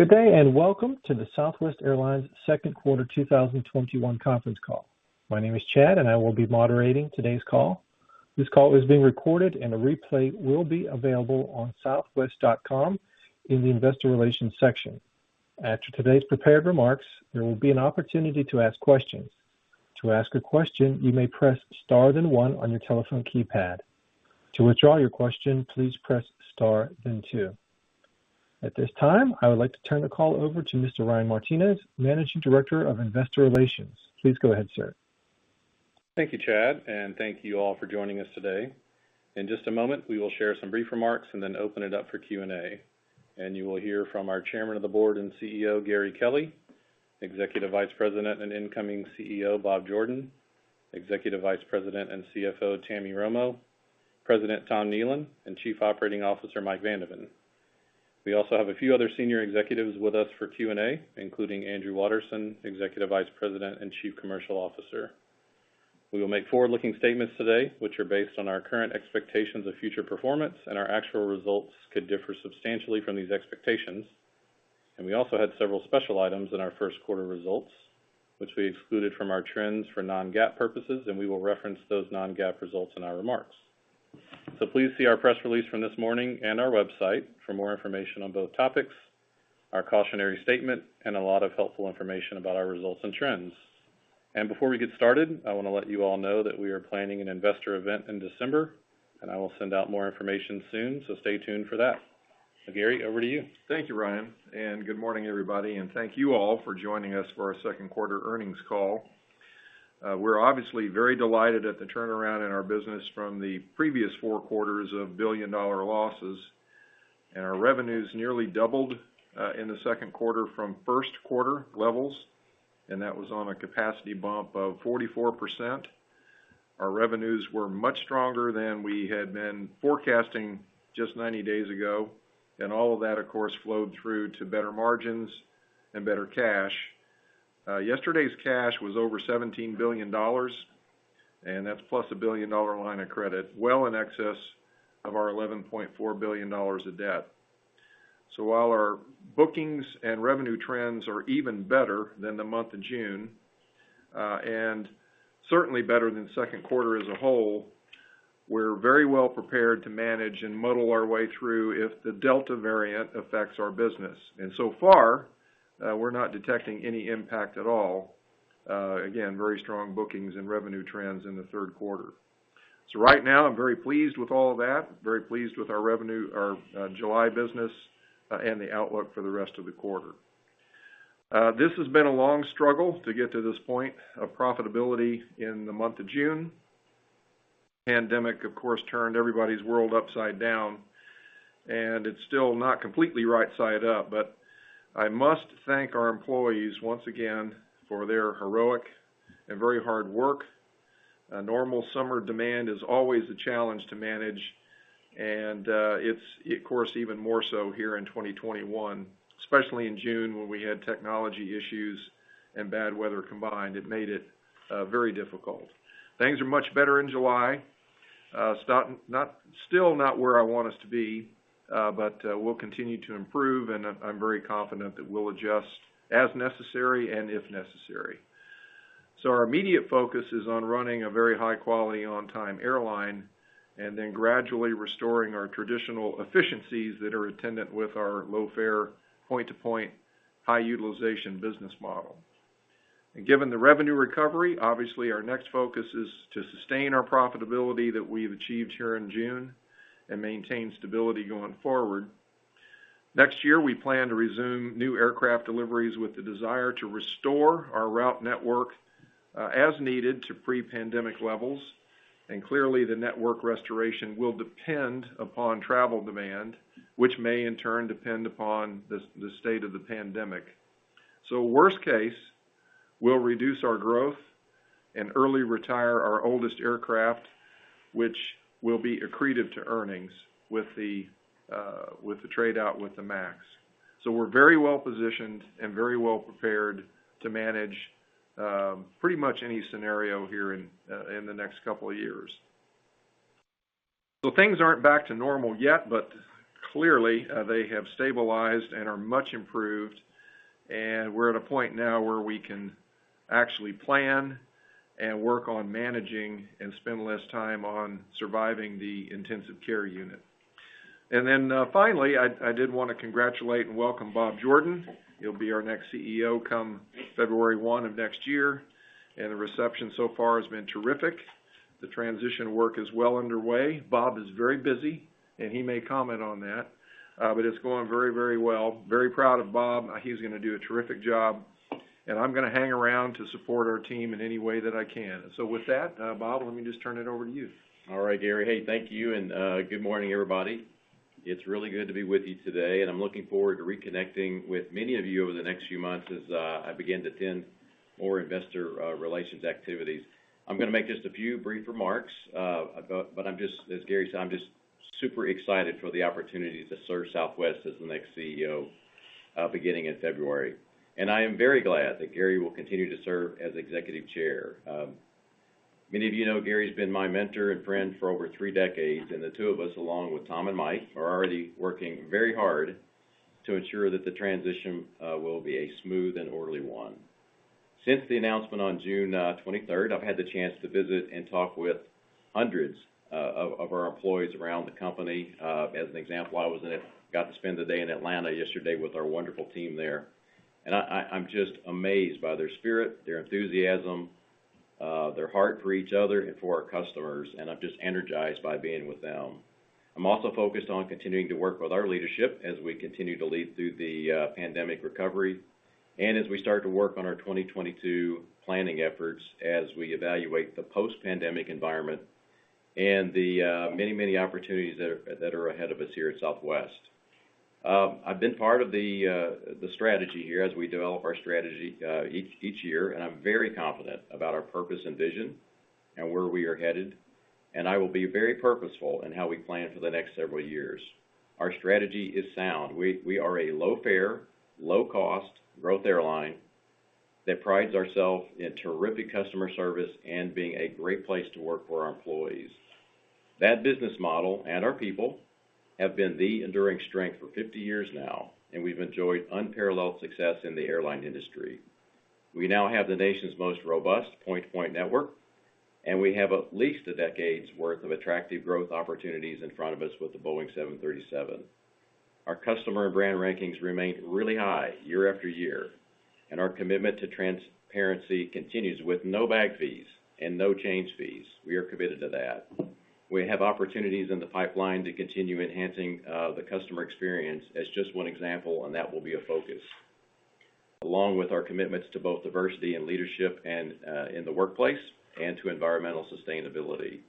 Good day, and welcome to the Southwest Airlines 2nd quarter 2021 conference call. My name is Chad, and I will be moderating today's call. This call is being recorded, and a replay will be available on southwest.com in the Investor Relations section. After today's prepared remarks, there will be an opportunity to ask questions. At this time, I would like to turn the call over to Mr. Ryan Martinez, Managing Director of Investor Relations. Please go ahead, sir. Thank you, Chad. Thank you all for joining us today. In just a moment, we will share some brief remarks, then open it up for Q&A. You will hear from our Chairman of the Board and CEO, Gary Kelly, Executive Vice President and Incoming CEO, Bob Jordan, Executive Vice President and CFO, Tammy Romo, President Tom Nealon, and Chief Operating Officer Mike Van de Ven. We also have a few other senior executives with us for Q&A, including Andrew Watterson, Executive Vice President and Chief Commercial Officer. We will make forward-looking statements today, which are based on our current expectations of future performance. Our actual results could differ substantially from these expectations. We also had several special items in our first quarter results, which we excluded from our trends for non-GAAP purposes. We will reference those non-GAAP results in our remarks. Please see our press release from this morning and our website for more information on both topics, our cautionary statement, and a lot of helpful information about our results and trends. Before we get started, I want to let you all know that we are planning an investor event in December, and I will send out more information soon, so stay tuned for that. Gary, over to you. Thank you, Ryan, and good morning, everybody, and thank you all for joining us for our second quarter earnings call. We're obviously very delighted at the turnaround in our business from the previous 4 quarters of billion-dollar losses. Our revenues nearly doubled in the second quarter from first quarter levels, and that was on a capacity bump of 44%. Our revenues were much stronger than we had been forecasting just 90 days ago, and all of that, of course, flowed through to better margins and better cash. Yesterday's cash was over $17 billion, and that's plus a $1 billion line of credit, well in excess of our $11.4 billion of debt. While our bookings and revenue trends are even better than the month of June, and certainly better than the second quarter as a whole, we're very well prepared to manage and muddle our way through if the Delta variant affects our business. So far, we're not detecting any impact at all. Again, very strong bookings and revenue trends in the third quarter. Right now, I'm very pleased with all that, very pleased with our July business, and the outlook for the rest of the quarter. This has been a long struggle to get to this point of profitability in the month of June. Pandemic, of course, turned everybody's world upside down, and it's still not completely right side up, but I must thank our employees once again for their heroic and very hard work. A normal summer demand is always a challenge to manage, and it's of course even more so here in 2021, especially in June when we had technology issues and bad weather combined. It made it very difficult. Things are much better in July. Still not where I want us to be, but we'll continue to improve, and I'm very confident that we'll adjust as necessary and if necessary. Our immediate focus is on running a very high-quality, on-time airline and then gradually restoring our traditional efficiencies that are attendant with our low-fare, point-to-point, high-utilization business model. Given the revenue recovery, obviously our next focus is to sustain our profitability that we've achieved here in June and maintain stability going forward. Next year, we plan to resume new aircraft deliveries with the desire to restore our route network as needed to pre-pandemic levels. Clearly, the network restoration will depend upon travel demand, which may in turn depend upon the state of the pandemic. Worst case, we'll reduce our growth and early retire our oldest aircraft, which will be accretive to earnings with the trade-out with the MAX. We're very well-positioned and very well-prepared to manage pretty much any scenario here in the next couple of years. Things aren't back to normal yet, but clearly, they have stabilized and are much improved, and we're at a point now where we can actually plan and work on managing and spend less time on surviving the intensive care unit. Finally, I did want to congratulate and welcome Bob Jordan. He'll be our next CEO come February 1 of next year, and the reception so far has been terrific. The transition work is well underway. Bob is very busy, and he may comment on that, but it's going very, very well. Very proud of Bob. He's going to do a terrific job, and I'm going to hang around to support our team in any way that I can. With that, Bob, let me just turn it over to you. All right, Gary Kelly. Hey, thank you, good morning, everybody. It's really good to be with you today, and I'm looking forward to reconnecting with many of you over the next few months as I begin to attend more investor relations activities. I'm going to make just a few brief remarks. As Gary Kelly said, I'm just super excited for the opportunity to serve Southwest Airlines as the next CEO beginning in February. I am very glad that Gary Kelly will continue to serve as Executive Chair. Many of you know Gary Kelly's been my mentor and friend for over 3 decades, and the two of us, along with Tom Nealon and Mike Van de Ven, are already working very hard to ensure that the transition will be a smooth and orderly one. Since the announcement on June 23rd, I've had the chance to visit and talk with hundreds of our employees around the company. As an example, I got to spend the day in Atlanta yesterday with our wonderful team there. I'm just amazed by their spirit, their enthusiasm, their heart for each other and for our customers, and I'm just energized by being with them. I'm also focused on continuing to work with our leadership as we continue to lead through the pandemic recovery and as we start to work on our 2022 planning efforts as we evaluate the post-pandemic environment and the many opportunities that are ahead of us here at Southwest. I've been part of the strategy here as we develop our strategy each year, and I'm very confident about our purpose and vision and where we are headed. I will be very purposeful in how we plan for the next several years. Our strategy is sound. We are a low-fare, low-cost growth airline that prides ourselves in terrific customer service and being a great place to work for our employees. That business model and our people have been the enduring strength for 50 years now, and we've enjoyed unparalleled success in the airline industry. We now have the nation's most robust point-to-point network, and we have at least a decade's worth of attractive growth opportunities in front of us with the Boeing 737. Our customer and brand rankings remain really high year after year, and our commitment to transparency continues with no bag fees and no change fees. We are committed to that. We have opportunities in the pipeline to continue enhancing the customer experience as just one example, and that will be a focus. Along with our commitments to both diversity and leadership and in the workplace and to environmental sustainability.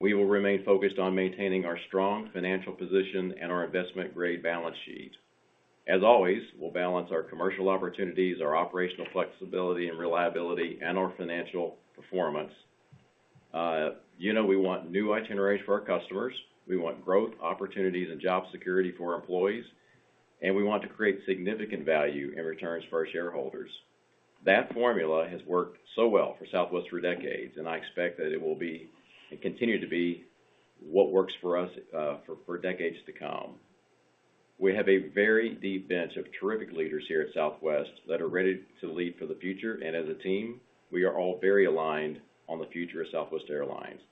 We will remain focused on maintaining our strong financial position and our investment-grade balance sheet. As always, we'll balance our commercial opportunities, our operational flexibility and reliability, and our financial performance. You know we want new itineraries for our customers, we want growth opportunities and job security for our employees, and we want to create significant value and returns for our shareholders. That formula has worked so well for Southwest for decades, and I expect that it will be, and continue to be, what works for us for decades to come. We have a very deep bench of terrific leaders here at Southwest that are ready to lead for the future, and as a team, we are all very aligned on the future of Southwest Airlines.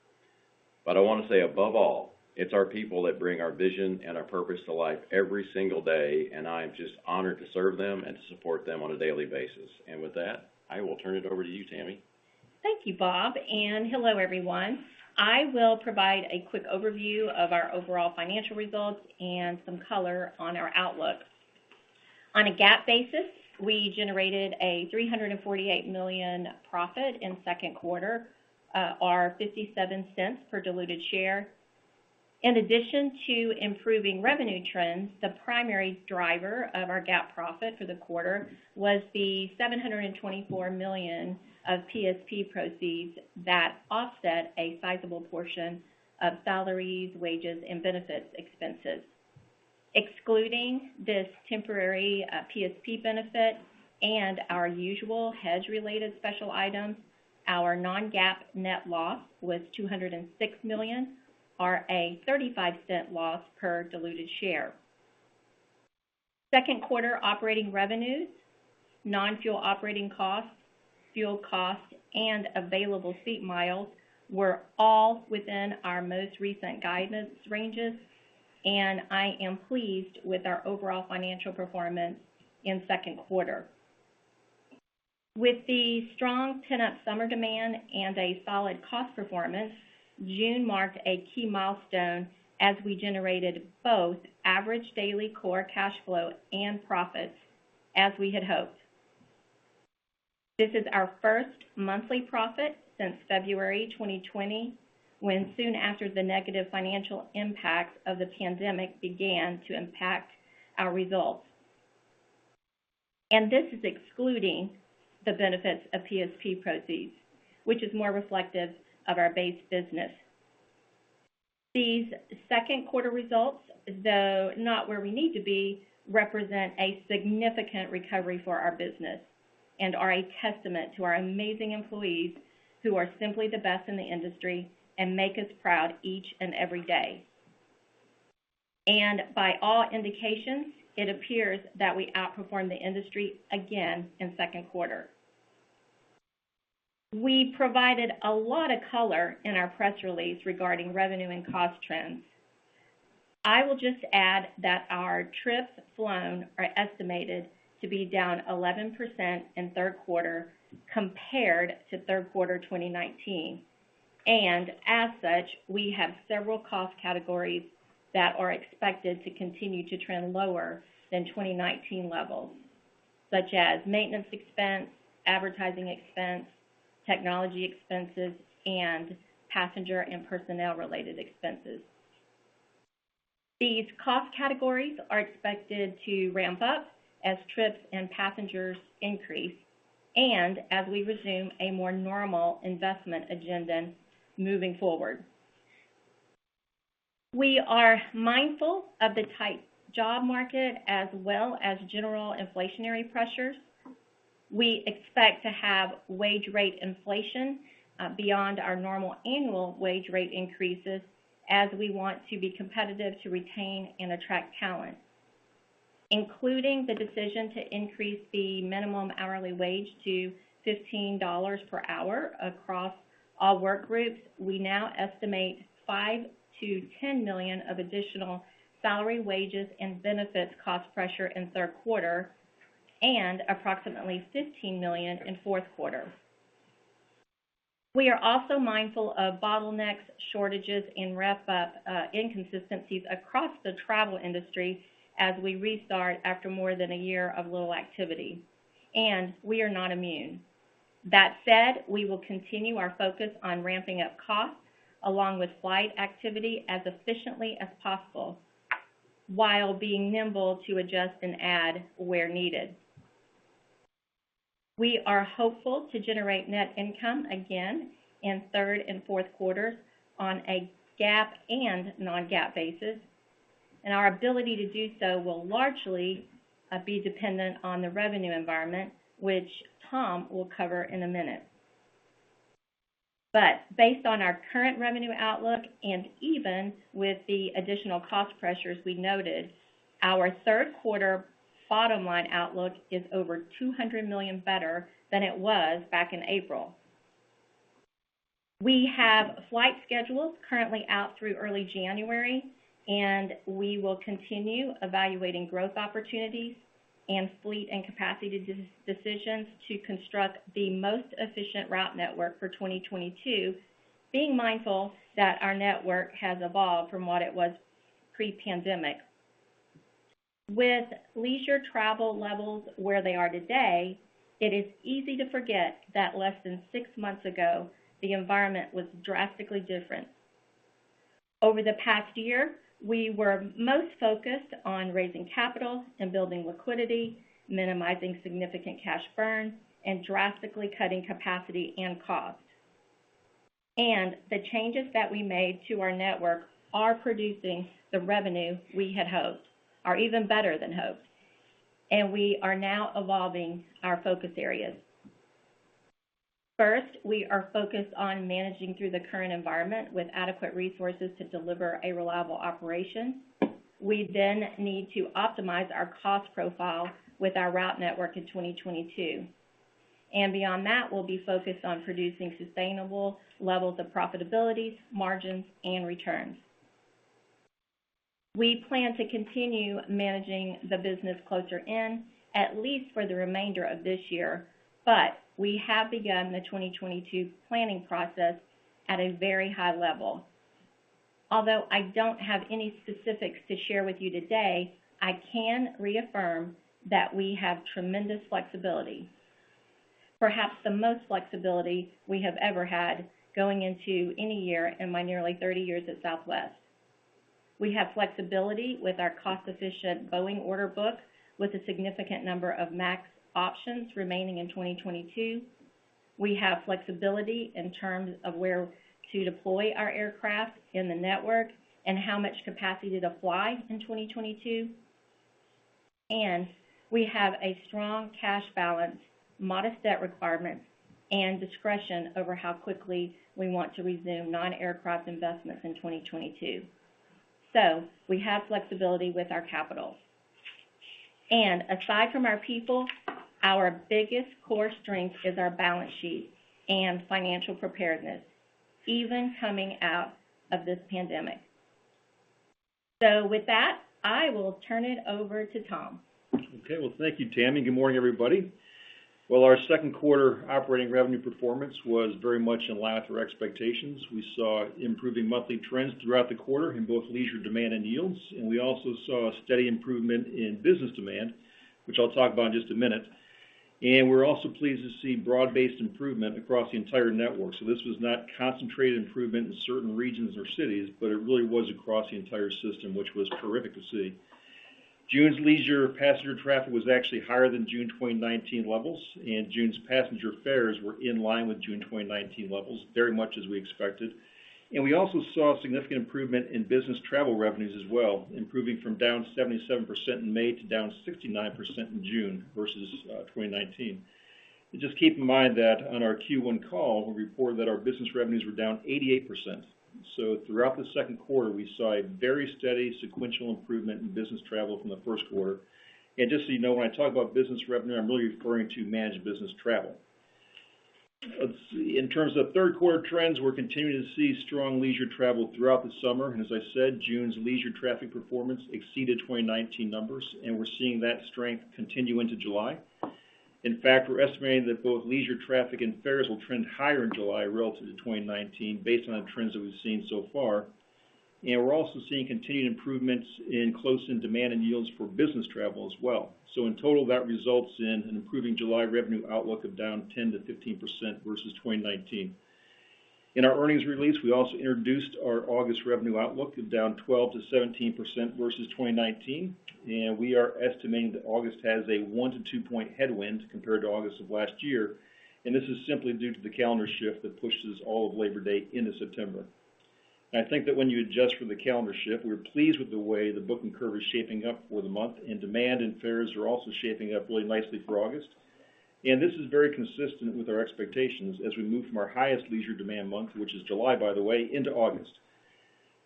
I want to say above all, it's our people that bring our vision and our purpose to life every single day, and I'm just honored to serve them and to support them on a daily basis. With that, I will turn it over to you, Tammy. Thank you, Bob, and hello, everyone. I will provide a quick overview of our overall financial results and some color on our outlook. On a GAAP basis, we generated a $348 million profit in second quarter, or $0.57 per diluted share. In addition to improving revenue trends, the primary driver of our GAAP profit for the quarter was the $724 million of PSP proceeds that offset a sizable portion of salaries, wages, and benefits expenses. Excluding this temporary PSP benefit and our usual hedge-related special items, our non-GAAP net loss was $206 million, or a $0.35 loss per diluted share. Second quarter operating revenues, non-fuel operating costs, fuel costs, and available seat miles were all within our most recent guidance ranges. I am pleased with our overall financial performance in second quarter. With the strong pent-up summer demand and a solid cost performance, June marked a key milestone as we generated both average daily core cash flow and profits, as we had hoped. This is our first monthly profit since February 2020, when soon after the negative financial impact of the pandemic began to impact our results. This is excluding the benefits of PSP proceeds, which is more reflective of our base business. These second quarter results, though not where we need to be, represent a significant recovery for our business and are a testament to our amazing employees, who are simply the best in the industry and make us proud each and every day. By all indications, it appears that we outperformed the industry again in second quarter. We provided a lot of color in our press release regarding revenue and cost trends. I will just add that our trips flown are estimated to be down 11% in third quarter compared to third quarter 2019, and as such, we have several cost categories that are expected to continue to trend lower than 2019 levels, such as maintenance expense, advertising expense, technology expenses, and passenger and personnel-related expenses. These cost categories are expected to ramp up as trips and passengers increase and as we resume a more normal investment agenda moving forward. We are mindful of the tight job market as well as general inflationary pressures. We expect to have wage rate inflation beyond our normal annual wage rate increases as we want to be competitive to retain and attract talent. Including the decision to increase the minimum hourly wage to $15 per hour across all work groups, we now estimate $5 million-$10 million of additional salary, wages, and benefits cost pressure in the third quarter, and approximately $15 million in the fourth quarter. We are also mindful of bottlenecks, shortages, and ramp-up inconsistencies across the travel industry as we restart after more than a year of little activity, and we are not immune. That said, we will continue our focus on ramping up costs along with flight activity as efficiently as possible while being nimble to adjust and add where needed. We are hopeful to generate net income again in the third and fourth quarters on a GAAP and non-GAAP basis, and our ability to do so will largely be dependent on the revenue environment, which Tom will cover in a minute. Based on our current revenue outlook and even with the additional cost pressures we noted, our third quarter bottom line outlook is over $200 million better than it was back in April. We have flight schedules currently out through early January, and we will continue evaluating growth opportunities and fleet and capacity decisions to construct the most efficient route network for 2022, being mindful that our network has evolved from what it was pre-pandemic. With leisure travel levels where they are today, it is easy to forget that less than six months ago, the environment was drastically different. Over the past year, we were most focused on raising capital and building liquidity, minimizing significant cash burn, and drastically cutting capacity and cost. The changes that we made to our network are producing the revenue we had hoped, or even better than hoped, and we are now evolving our focus areas. First, we are focused on managing through the current environment with adequate resources to deliver a reliable operation. We need to optimize our cost profile with our route network in 2022. Beyond that, we'll be focused on producing sustainable levels of profitability, margins, and returns. We plan to continue managing the business closer in, at least for the remainder of this year, but we have begun the 2022 planning process at a very high level. Although I don't have any specifics to share with you today, I can reaffirm that we have tremendous flexibility. Perhaps the most flexibility we have ever had going into any year in my nearly 30 years at Southwest. We have flexibility with our cost-efficient Boeing order book with a significant number of MAX options remaining in 2022. We have flexibility in terms of where to deploy our aircraft in the network and how much capacity to fly in 2022. We have a strong cash balance, modest debt requirements, and discretion over how quickly we want to resume non-aircraft investments in 2022. We have flexibility with our capital. Aside from our people, our biggest core strength is our balance sheet and financial preparedness, even coming out of this pandemic. With that, I will turn it over to Tom. Okay. Well, thank you, Tammy. Good morning, everybody. Well, our second quarter operating revenue performance was very much in line with our expectations. We saw improving monthly trends throughout the quarter in both leisure demand and yields. We also saw a steady improvement in business demand, which I'll talk about in just a minute. We're also pleased to see broad-based improvement across the entire network. This was not concentrated improvement in certain regions or cities, but it really was across the entire system, which was terrific to see. June's leisure passenger traffic was actually higher than June 2019 levels, and June's passenger fares were in line with June 2019 levels, very much as we expected. We also saw significant improvement in business travel revenues as well, improving from down 77% in May to down 69% in June versus 2019. Just keep in mind that on our Q1 call, we reported that our business revenues were down 88%. Throughout the second quarter, we saw a very steady sequential improvement in business travel from the first quarter. Just so you know, when I talk about business revenue, I'm really referring to managed business travel. In terms of third quarter trends, we're continuing to see strong leisure travel throughout the summer. As I said, June's leisure traffic performance exceeded 2019 numbers, and we're seeing that strength continue into July. In fact, we're estimating that both leisure traffic and fares will trend higher in July relative to 2019 based on trends that we've seen so far. We're also seeing continued improvements in closed-end demand and yields for business travel as well. In total, that results in an improving July revenue outlook of down 10%-15% versus 2019. In our earnings release, we also introduced our August revenue outlook of down 12%-17% versus 2019, and we are estimating that August has a one- to two-point headwind compared to August of last year. This is simply due to the calendar shift that pushes all of Labor Day into September. I think that when you adjust for the calendar shift, we're pleased with the way the booking curve is shaping up for the month, and demand and fares are also shaping up really nicely for August. This is very consistent with our expectations as we move from our highest leisure demand month, which is July, by the way, into August.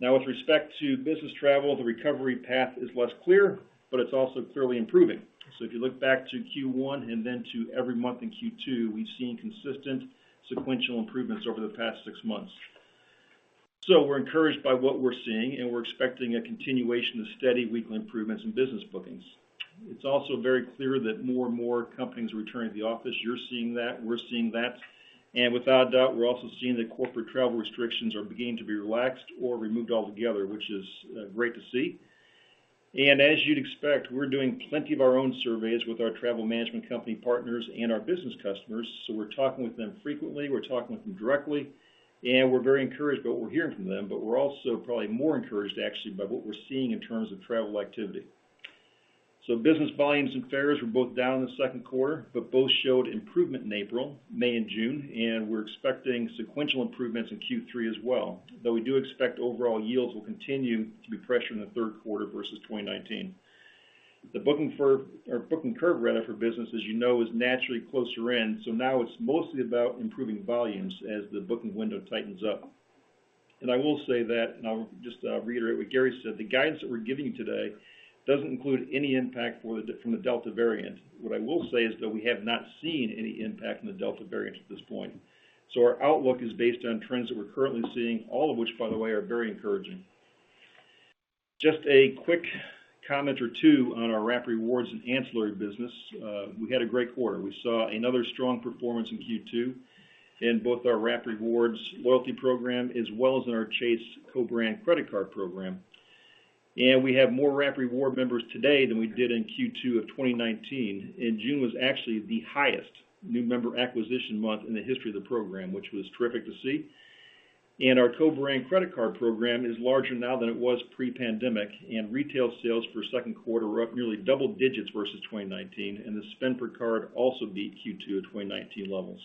Now, with respect to business travel, the recovery path is less clear, but it's also clearly improving. If you look back to Q1 and then to every month in Q2, we've seen consistent sequential improvements over the past six months. We're encouraged by what we're seeing, and we're expecting a continuation of steady weekly improvements in business bookings. It's also very clear that more and more companies are returning to the office. You're seeing that, we're seeing that. Without a doubt, we're also seeing that corporate travel restrictions are beginning to be relaxed or removed altogether, which is great to see. As you'd expect, we're doing plenty of our own surveys with our travel management company partners and our business customers. We're talking with them frequently, we're talking with them directly, and we're very encouraged by what we're hearing from them. We're also probably more encouraged actually by what we're seeing in terms of travel activity. Business volumes and fares were both down in the second quarter, but both showed improvement in April, May, and June. We're expecting sequential improvements in Q3 as well. We do expect overall yields will continue to be pressured in the third quarter versus 2019. The booking curve right now for business, as you know, is naturally closer in, so now it's mostly about improving volumes as the booking window tightens up. I will say that, and I'll just reiterate what Gary said, the guidance that we're giving you today doesn't include any impact from the Delta variant. What I will say is that we have not seen any impact from the Delta variant at this point. Our outlook is based on trends that we're currently seeing, all of which, by the way, are very encouraging. Just a quick comment or 2 on our Rapid Rewards and ancillary business. We had a great quarter. We saw another strong performance in Q2 in both our Rapid Rewards loyalty program as well as in our Chase co-brand credit card program. We have more Rapid Rewards members today than we did in Q2 of 2019, June was actually the highest new member acquisition month in the history of the program, which was terrific to see. Our co-brand credit card program is larger now than it was pre-pandemic, retail sales for the second quarter were up nearly double digits versus 2019, the spend per card also beat Q2 of 2019 levels.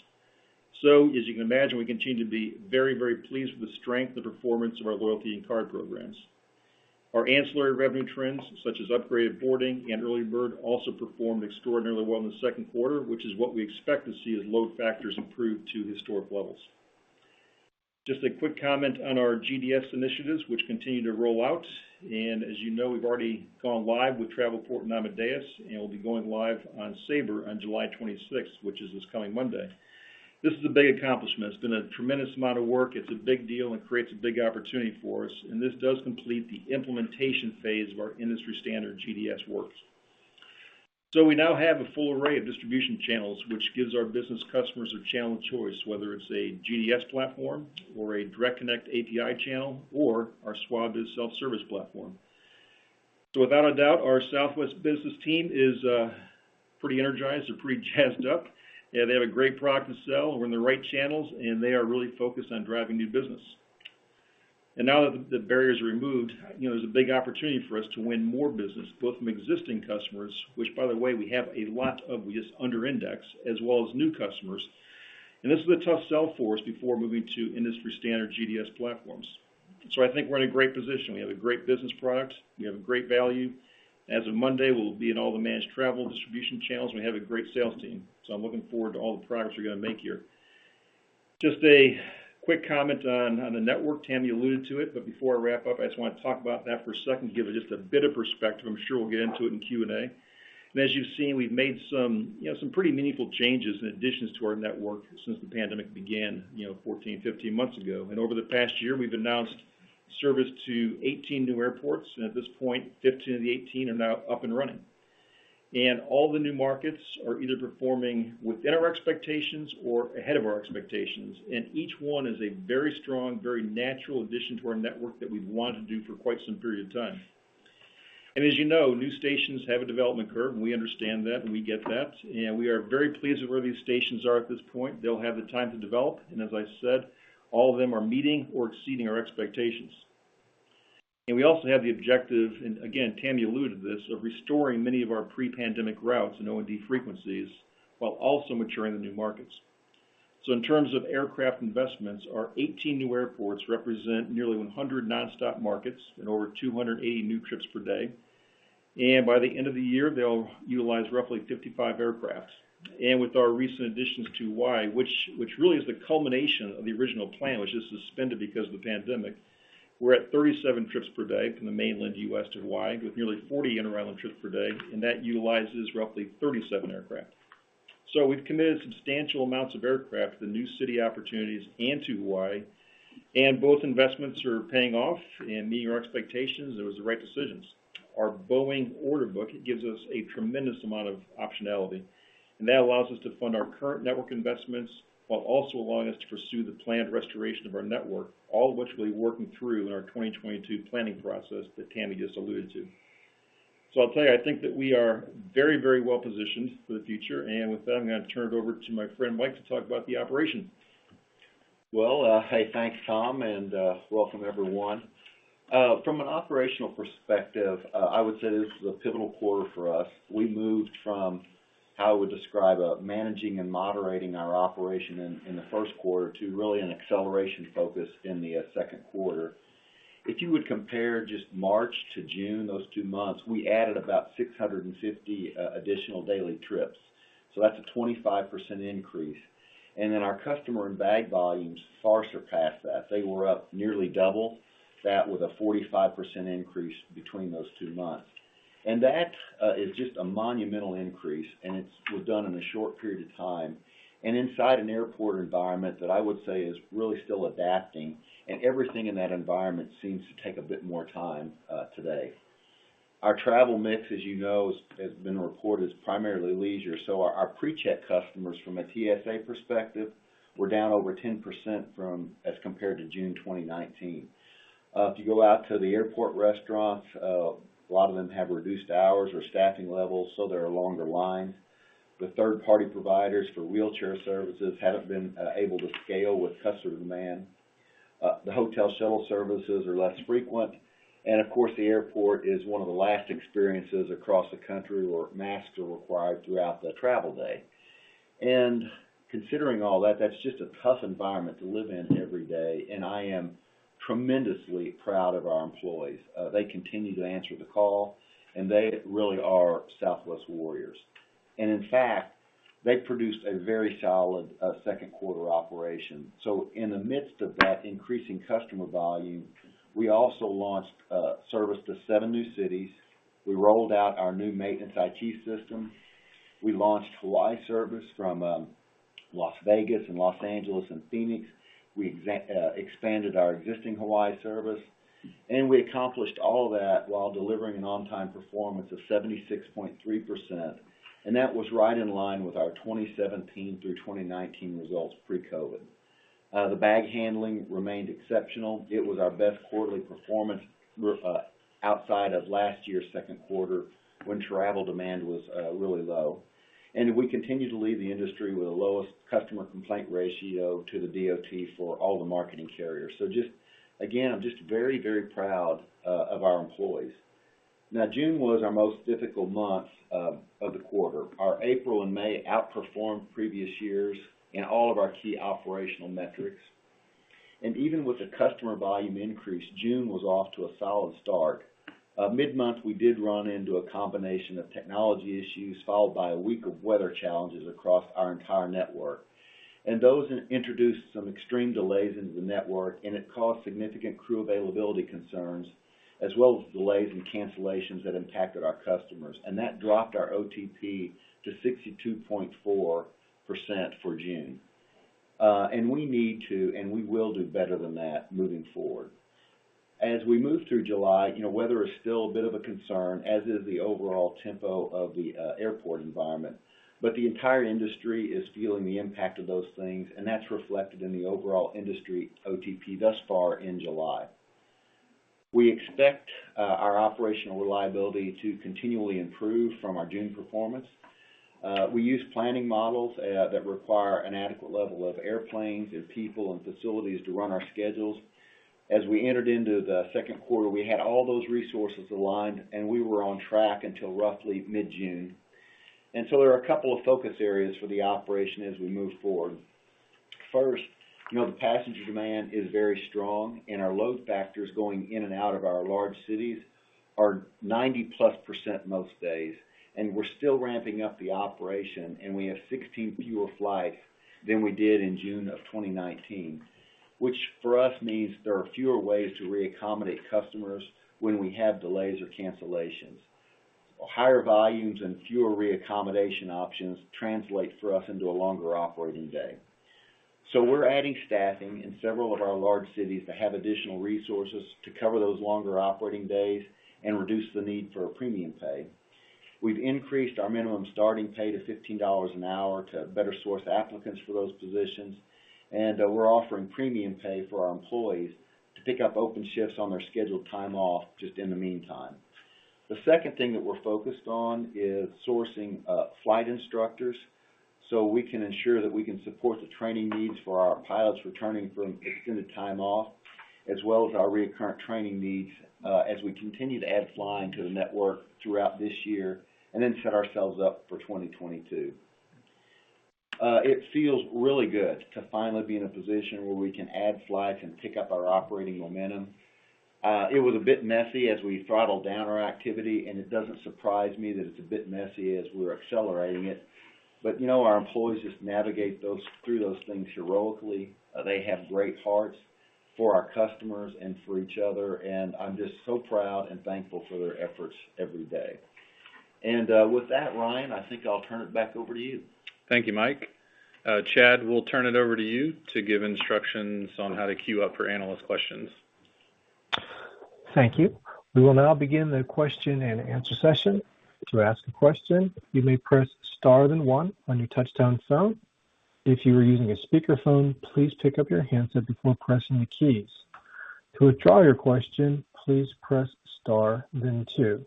As you can imagine, we continue to be very, very pleased with the strength and performance of our loyalty and card programs. Our ancillary revenue trends, such as upgraded boarding and EarlyBird Check-In, also performed extraordinarily well in the second quarter, which is what we expect to see as load factors improve to historic levels. Just a quick comment on our GDS initiatives, which continue to roll out. As you know, we've already gone live with Travelport and Amadeus, and we'll be going live on Sabre on July 26th, which is this coming Monday. This is a big accomplishment. It's been a tremendous amount of work. It's a big deal and creates a big opportunity for us, and this does complete the implementation phase of our industry-standard GDS work. We now have a full array of distribution channels, which gives our business customers a channel choice, whether it's a GDS platform or a direct connect API channel, or our SWABIZ self-service platform. Without a doubt, our Southwest Business team is pretty energized. They're pretty jazzed up. They have a great product to sell. We're in the right channels, and they are really focused on driving new business. Now that the barrier's removed, there's a big opportunity for us to win more business, both from existing customers, which by the way, we have a lot of, we just under index, as well as new customers. This was a tough sell for us before moving to industry-standard GDS platforms. I think we're in a great position. We have a great business product. We have great value. As of Monday, we'll be in all the managed travel distribution channels, and we have a great sales team. I'm looking forward to all the progress we're going to make here. Just a quick comment on the network. Tammy alluded to it, but before I wrap up, I just want to talk about that for a second, give just a bit of perspective. I'm sure we'll get into it in Q&A. As you've seen, we've made some pretty meaningful changes and additions to our network since the pandemic began 14, 15 months ago. Over the past year, we've announced service to 18 new airports, and at this point, 15 of the 18 are now up and running. All the new markets are either performing within our expectations or ahead of our expectations, and each one is a very strong, very natural addition to our network that we've wanted to do for quite some period of time. As you know, new stations have a development curve, and we understand that, and we get that, and we are very pleased with where these stations are at this point. They'll have the time to develop, and as I said, all of them are meeting or exceeding our expectations. We also have the objective, and again, Tammy alluded to this, of restoring many of our pre-pandemic routes and O&D frequencies while also maturing the new markets. In terms of aircraft investments, our 18 new airports represent nearly 100 nonstop markets and over 280 new trips per day. By the end of the year, they'll utilize roughly 55 aircraft. With our recent additions to Hawaii, which really is the culmination of the original plan, which was suspended because of the pandemic, we're at 37 trips per day from the mainland U.S. to Hawaii, with nearly 40 inter-island trips per day, and that utilizes roughly 37 aircraft. So we've committed substantial amounts of aircraft to the new city opportunities and to Hawaii, and both investments are paying off and meeting our expectations. It was the right decisions. Our Boeing order book, it gives us a tremendous amount of optionality, and that allows us to fund our current network investments while also allowing us to pursue the planned restoration of our network, all of which we'll be working through in our 2022 planning process that Tammy just alluded to. I'll tell you, I think that we are very, very well positioned for the future, and with that, I'm going to turn it over to my friend Mike to talk about the operation. Well, hey, thanks, Tom, and welcome everyone. From an operational perspective, I would say this is a pivotal quarter for us. We moved from how I would describe managing and moderating our operation in the first quarter to really an acceleration focus in the second quarter. If you would compare just March to June, those two months, we added about 650 additional daily trips, so that's a 25% increase. Our customer and bag volumes far surpass that. They were up nearly double that with a 45% increase between those two months. That is just a monumental increase, and it was done in a short period of time, and inside an airport environment that I would say is really still adapting, and everything in that environment seems to take a bit more time today. Our travel mix, as you know, has been reported as primarily leisure, so our TSA PreCheck customers from a TSA perspective were down over 10% as compared to June 2019. If you go out to the airport restaurants, a lot of them have reduced hours or staffing levels, so there are longer lines. The third-party providers for wheelchair services haven't been able to scale with customer demand. The hotel shuttle services are less frequent. Of course, the airport is one of the last experiences across the country where masks are required throughout the travel day. Considering all that's just a tough environment to live in every day, and I am tremendously proud of our employees. They continue to answer the call, and they really are Southwest warriors. In fact, they produced a very solid second quarter operation. In the midst of that increasing customer volume, we also launched service to 7 new cities. We rolled out our new Maintenix system. We launched Hawaii service from Las Vegas and Los Angeles and Phoenix. We expanded our existing Hawaii service. We accomplished all that while delivering an on-time performance of 76.3%, and that was right in line with our 2017 through 2019 results pre-COVID. The bag handling remained exceptional. It was our best quarterly performance outside of last year's second quarter, when travel demand was really low. We continue to lead the industry with the lowest customer complaint ratio to the DOT for all the marketing carriers. Again, I'm just very proud of our employees. June was our most difficult month of the quarter. Our April and May outperformed previous years in all of our key operational metrics. Even with a customer volume increase, June was off to a solid start. Mid-month, we did run into a combination of technology issues followed by a week of weather challenges across our entire network. Those introduced some extreme delays into the network, and it caused significant crew availability concerns, as well as delays and cancellations that impacted our customers. That dropped our OTP to 62.4% for June. We need to, and we will do better than that moving forward. As we move through July, weather is still a bit of a concern, as is the overall tempo of the airport environment, but the entire industry is feeling the impact of those things, and that's reflected in the overall industry OTP thus far in July. We expect our operational reliability to continually improve from our June performance. We use planning models that require an adequate level of airplanes and people and facilities to run our schedules. As we entered into the 2nd quarter, we had all those resources aligned, and we were on track until roughly mid-June. There are a couple of focus areas for the operation as we move forward. First, the passenger demand is very strong, and our load factors going in and out of our large cities are 90-plus % most days, and we're still ramping up the operation, and we have 16 fewer flights than we did in June of 2019, which for us means there are fewer ways to re-accommodate customers when we have delays or cancellations. Higher volumes and fewer re-accommodation options translate for us into a longer operating day. We're adding staffing in several of our large cities to have additional resources to cover those longer operating days and reduce the need for premium pay. We've increased our minimum starting pay to $15 an hour to better source applicants for those positions. We're offering premium pay for our employees to pick up open shifts on their scheduled time off just in the meantime. The second thing that we're focused on is sourcing flight instructors so we can ensure that we can support the training needs for our pilots returning from extended time off, as well as our reoccurring training needs as we continue to add flying to the network throughout this year and then set ourselves up for 2022. It feels really good to finally be in a position where we can add flights and pick up our operating momentum. It was a bit messy as we throttled down our activity. It doesn't surprise me that it's a bit messy as we're accelerating it. Our employees just navigate through those things heroically. They have great hearts for our customers and for each other. I'm just so proud and thankful for their efforts every day. With that, Ryan, I think I'll turn it back over to you. Thank you, Mike. Chad, we'll turn it over to you to give instructions on how to queue up for analyst questions. Thank you. We will now begin the question and answer session. To ask a question, you may press star then one on your touchdown phone. If you are using a speakerphone, please pick up your handset before pressing the keys. To withdraw your question, please press star then two.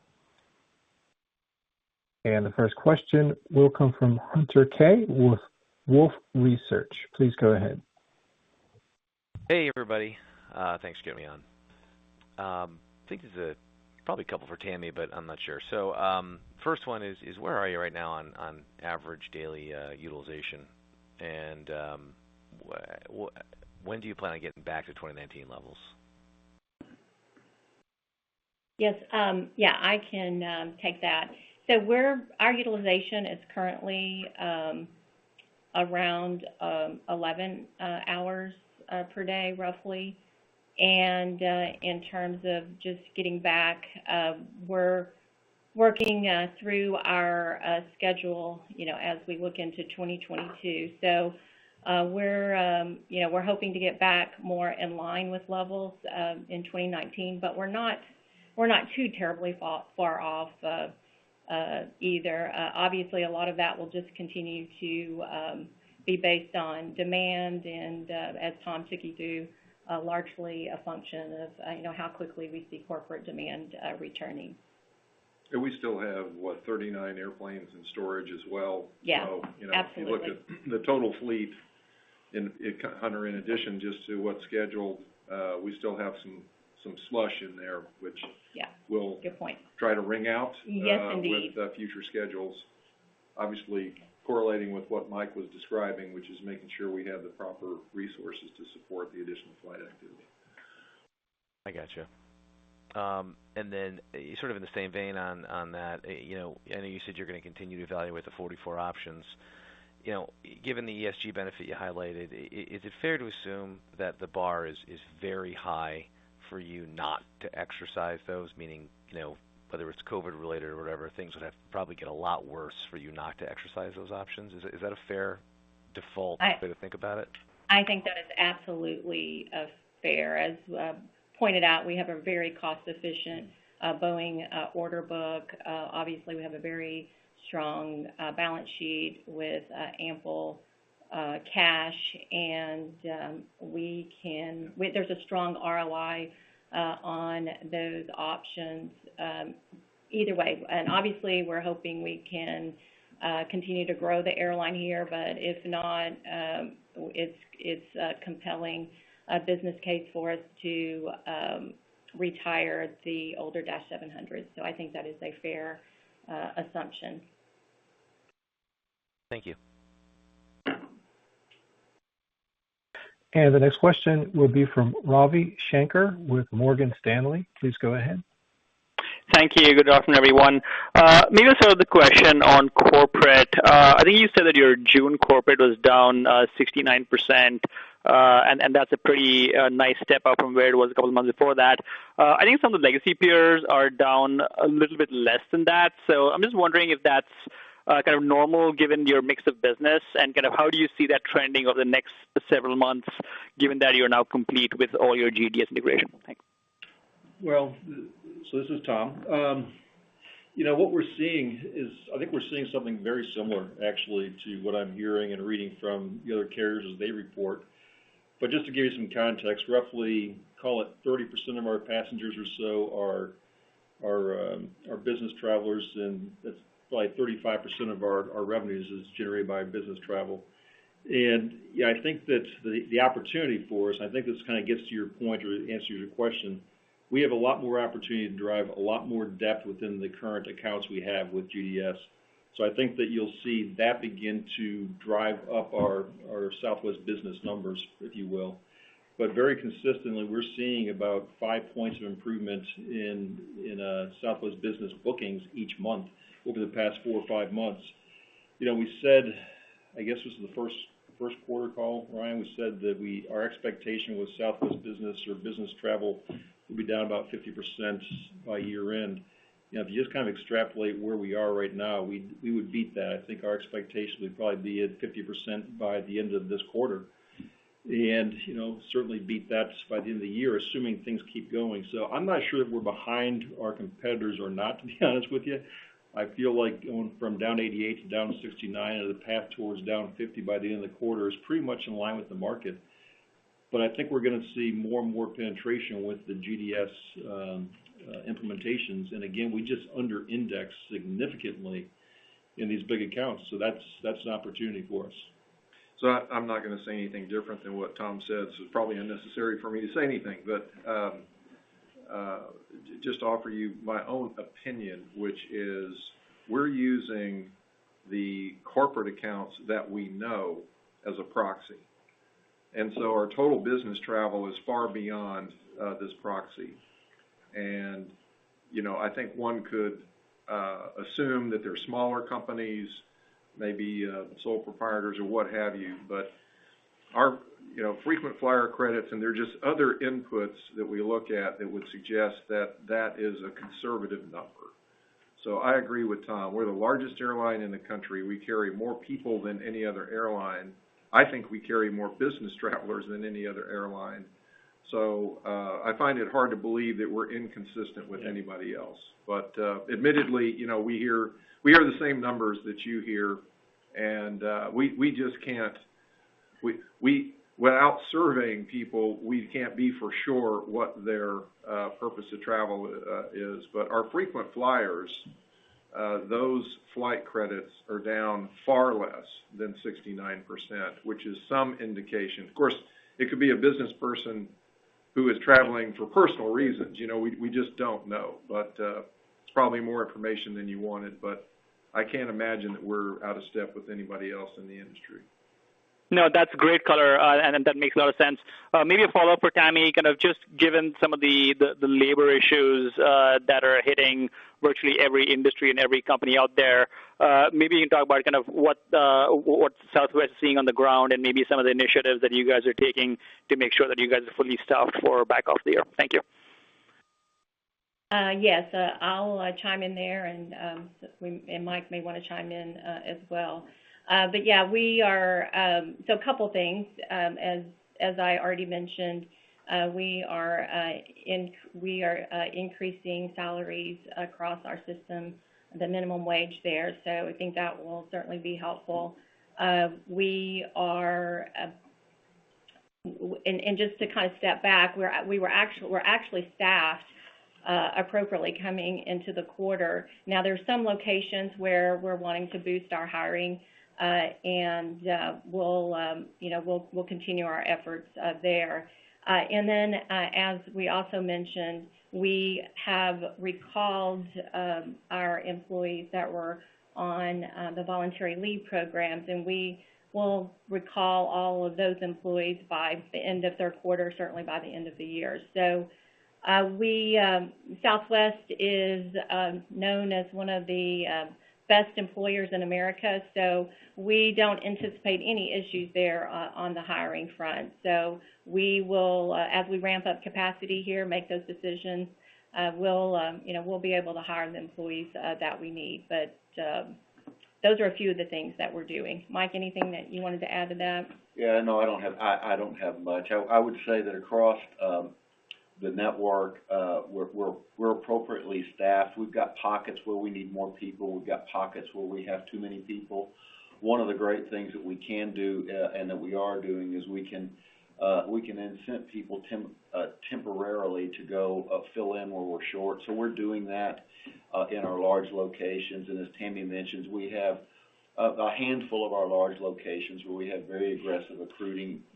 The first question will come from Hunter Keay with Wolfe Research. Please go ahead. Hey, everybody. Thanks for getting me on. I think this is probably a couple for Tammy, but I'm not sure. First one is, where are you right now on average daily utilization? When do you plan on getting back to 2019 levels? Yes. I can take that. Our utilization is currently around 11 hours per day, roughly. In terms of just getting back, we're working through our schedule as we look into 2022. We're hoping to get back more in line with levels in 2019. We're not too terribly far off either. Obviously, a lot of that will just continue to be based on demand and, as Tom took you through, largely a function of how quickly we see corporate demand returning. We still have, what? 39 airplanes in storage as well. Yeah, absolutely. If you look at the total fleet, Hunter, in addition just to what's scheduled, we still have some slush in there, which. Yeah. Good point. we'll try to wring out- Yes, indeed. with future schedules. Obviously correlating with what Mike was describing, which is making sure we have the proper resources to support the additional flight activity. I got you. Sort of in the same vein on that, I know you said you're going to continue to evaluate the 44 options. Given the ESG benefit you highlighted, is it fair to assume that the bar is very high for you not to exercise those? Meaning, whether it's COVID related or whatever, things would have probably get a lot worse for you not to exercise those options. Is that a fair default way to think about it? I think that is absolutely fair. As pointed out, we have a very cost-efficient Boeing order book. Obviously, we have a very strong balance sheet with ample cash, and there's a strong ROI on those options either way. Obviously, we're hoping we can continue to grow the airline here. If not, it's a compelling business case for us to retire the older Dash 700s. I think that is a fair assumption. Thank you. The next question will be from Ravi Shanker with Morgan Stanley. Please go ahead. Thank you. Good afternoon, everyone. Maybe I'll start with a question on corporate. I think you said that your June corporate was down 69%, and that's a pretty nice step up from where it was a couple of months before that. I think some of the legacy peers are down a little bit less than that. I'm just wondering if that's kind of normal given your mix of business, and kind of how do you see that trending over the next several months, given that you're now complete with all your GDS integration? Thanks. Well, this is Tom. I think we're seeing something very similar, actually, to what I'm hearing and reading from the other carriers as they report. Just to give you some context, roughly call it 30% of our passengers or so are business travelers, that's like 35% of our revenues is generated by business travel. I think that the opportunity for us, and I think this kind of gets to your point or answers your question, we have a lot more opportunity to drive a lot more depth within the current accounts we have with GDS. I think that you'll see that begin to drive up our Southwest business numbers, if you will. Very consistently, we're seeing about 5 points of improvement in Southwest business bookings each month over the past 4 or 5 months. We said, I guess it was the 1st quarter call, Ryan, we said that our expectation was Southwest business or business travel would be down about 50% by year-end. If you just kind of extrapolate where we are right now, we would beat that. I think our expectation would probably be at 50% by the end of this quarter. Certainly beat that just by the end of the year, assuming things keep going. I'm not sure if we're behind our competitors or not, to be honest with you. I feel like going from down 88% to down 69% of the path towards down 50% by the end of the quarter is pretty much in line with the market. I think we're going to see more and more penetration with the GDS implementations, and again, we just under index significantly in these big accounts. That's an opportunity for us. I'm not going to say anything different than what Tom said, so it's probably unnecessary for me to say anything. Just to offer you my own opinion, which is we're using the corporate accounts that we know as a proxy. Our total business travel is far beyond this proxy. I think one could assume that they're smaller companies, maybe sole proprietors or what have you. Our frequent flyer credits, and there are just other inputs that we look at that would suggest that is a conservative number. I agree with Tom. We're the largest airline in the country. We carry more people than any other airline. I think we carry more business travelers than any other airline. I find it hard to believe that we're inconsistent with anybody else. Admittedly, we hear the same numbers that you hear, and we just can't. Without surveying people, we can't be for sure what their purpose of travel is. Our frequent flyers, those flight credits are down far less than 69%, which is some indication. Of course, it could be a business person who is traveling for personal reasons. We just don't know, but it's probably more information than you wanted. I can't imagine that we're out of step with anybody else in the industry. No, that's great color, and that makes a lot of sense. Maybe a follow-up for Tammy, kind of just given some of the labor issues that are hitting virtually every industry and every company out there, maybe you can talk about what Southwest is seeing on the ground and maybe some of the initiatives that you guys are taking to make sure that you guys are fully staffed for back half of the year. Thank you. Yes. I'll chime in there, and Mike may want to chime in as well. Yeah, a couple things. As I already mentioned, we are increasing salaries across our system, the minimum wage there. I think that will certainly be helpful. Just to kind of step back, we're actually staffed appropriately coming into the quarter. Now, there are some locations where we're wanting to boost our hiring, and we'll continue our efforts there. As we also mentioned, we have recalled our employees that were on the voluntary leave programs, and we will recall all of those employees by the end of third quarter, certainly by the end of the year. Southwest is known as one of the best employers in America, so we don't anticipate any issues there on the hiring front. We will, as we ramp up capacity here, make those decisions. We'll be able to hire the employees that we need. Those are a few of the things that we're doing. Mike, anything that you wanted to add to that? Yeah, no, I don't have much. I would say that across the network, we're appropriately staffed. We've got pockets where we need more people. We've got pockets where we have too many people. One of the great things that we can do, and that we are doing, is we can incent people temporarily to go fill in where we're short. We're doing that in our large locations, and as Tammy mentioned, we have a handful of our large locations where we have very aggressive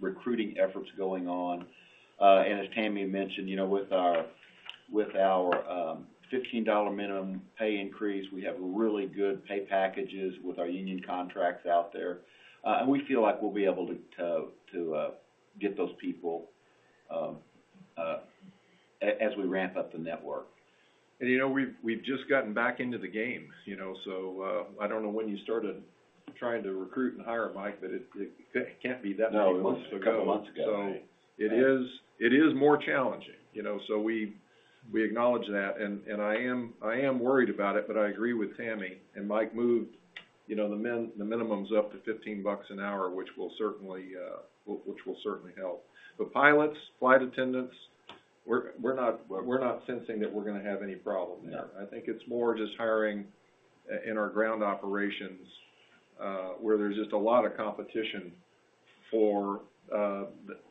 recruiting efforts going on. As Tammy mentioned, with our $15 minimum pay increase, we have really good pay packages with our union contracts out there. We feel like we'll be able to get those people as we ramp up the network. We've just gotten back into the game. I don't know when you started trying to recruit and hire, Mike, but it can't be that many months ago. It is more challenging. We acknowledge that, and I am worried about it, but I agree with Tammy, and Mike moved the minimums up to $15 an hour, which will certainly help. Pilots, flight attendants, we're not sensing that we're going to have any problem there. I think it's more just hiring in our ground operations, where there's just a lot of competition for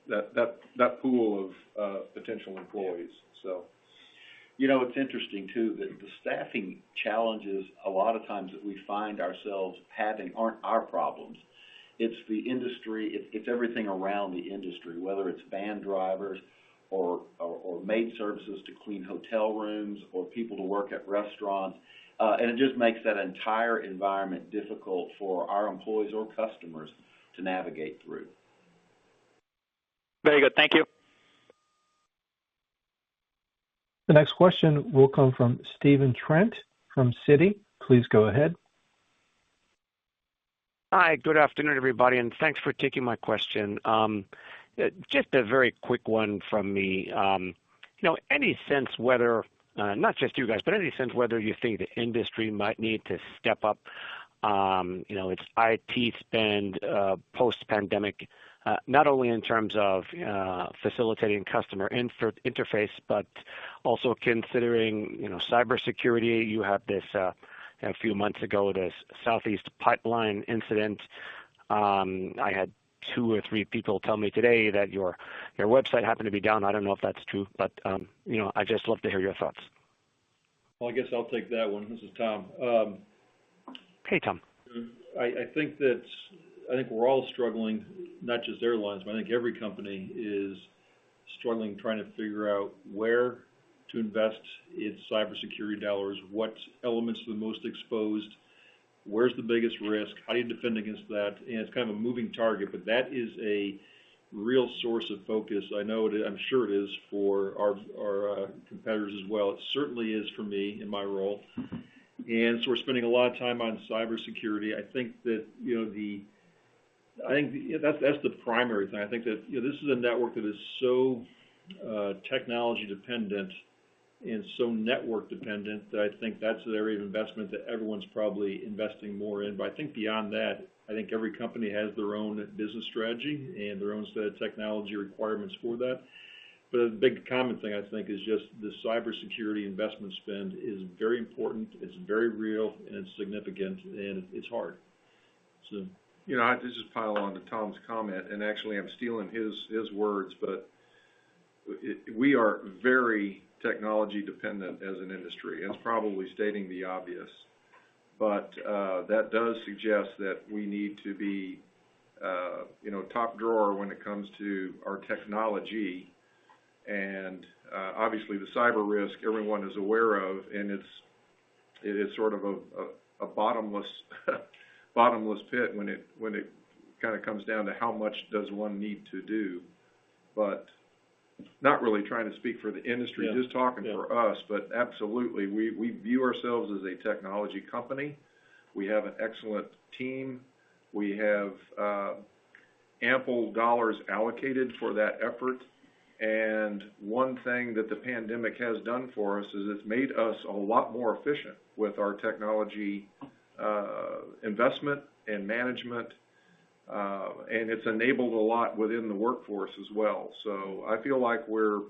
that pool of potential employees. It's interesting, too, that the staffing challenges, a lot of times that we find ourselves having aren't our problems. It's the industry. It's everything around the industry, whether it's van drivers or maid services to clean hotel rooms or people to work at restaurants. It just makes that entire environment difficult for our employees or customers to navigate through. Very good. Thank you. The next question will come from Stephen Trent from Citi. Please go ahead. Hi, good afternoon, everybody, and thanks for taking my question. Just a very quick one from me. Any sense whether, not just you guys, but any sense whether you think the industry might need to step up its IT spend post-pandemic? Not only in terms of facilitating customer interface, but also considering cybersecurity. You had, a few months ago, this Colonial Pipeline incident. I had 2 or 3 people tell me today that your website happened to be down. I don't know if that's true, but I'd just love to hear your thoughts. Well, I guess I'll take that one. This is Tom. Okay, Tom. I think we're all struggling, not just airlines, but I think every company is struggling, trying to figure out where to invest its cybersecurity dollars, what elements are the most exposed, where's the biggest risk, how do you defend against that? It's kind of a moving target, but that is a real source of focus. I'm sure it is for our competitors as well. It certainly is for me in my role, we're spending a lot of time on cybersecurity. I think that's the primary thing. I think that this is a network that is so technology-dependent and so network-dependent that I think that's an area of investment that everyone's probably investing more in. I think beyond that, I think every company has their own business strategy and their own set of technology requirements for that. A big common thing, I think, is just the cybersecurity investment spend is very important, it's very real, and significant, and it's hard. Just to pile on to Tom's comment, and actually, I'm stealing his words, we are very technology-dependent as an industry, and it's probably stating the obvious. That does suggest that we need to be top drawer when it comes to our technology, and obviously, the cyber risk everyone is aware of, and it is sort of a bottomless pit when it kind of comes down to how much does one need to do. Not really trying to speak for the industry. Yeah just talking for us. Absolutely, we view ourselves as a technology company. We have an excellent team. We have ample dollars allocated for that effort. One thing that the pandemic has done for us is it's made us a lot more efficient with our technology investment and management, and it's enabled a lot within the workforce as well. I feel like we're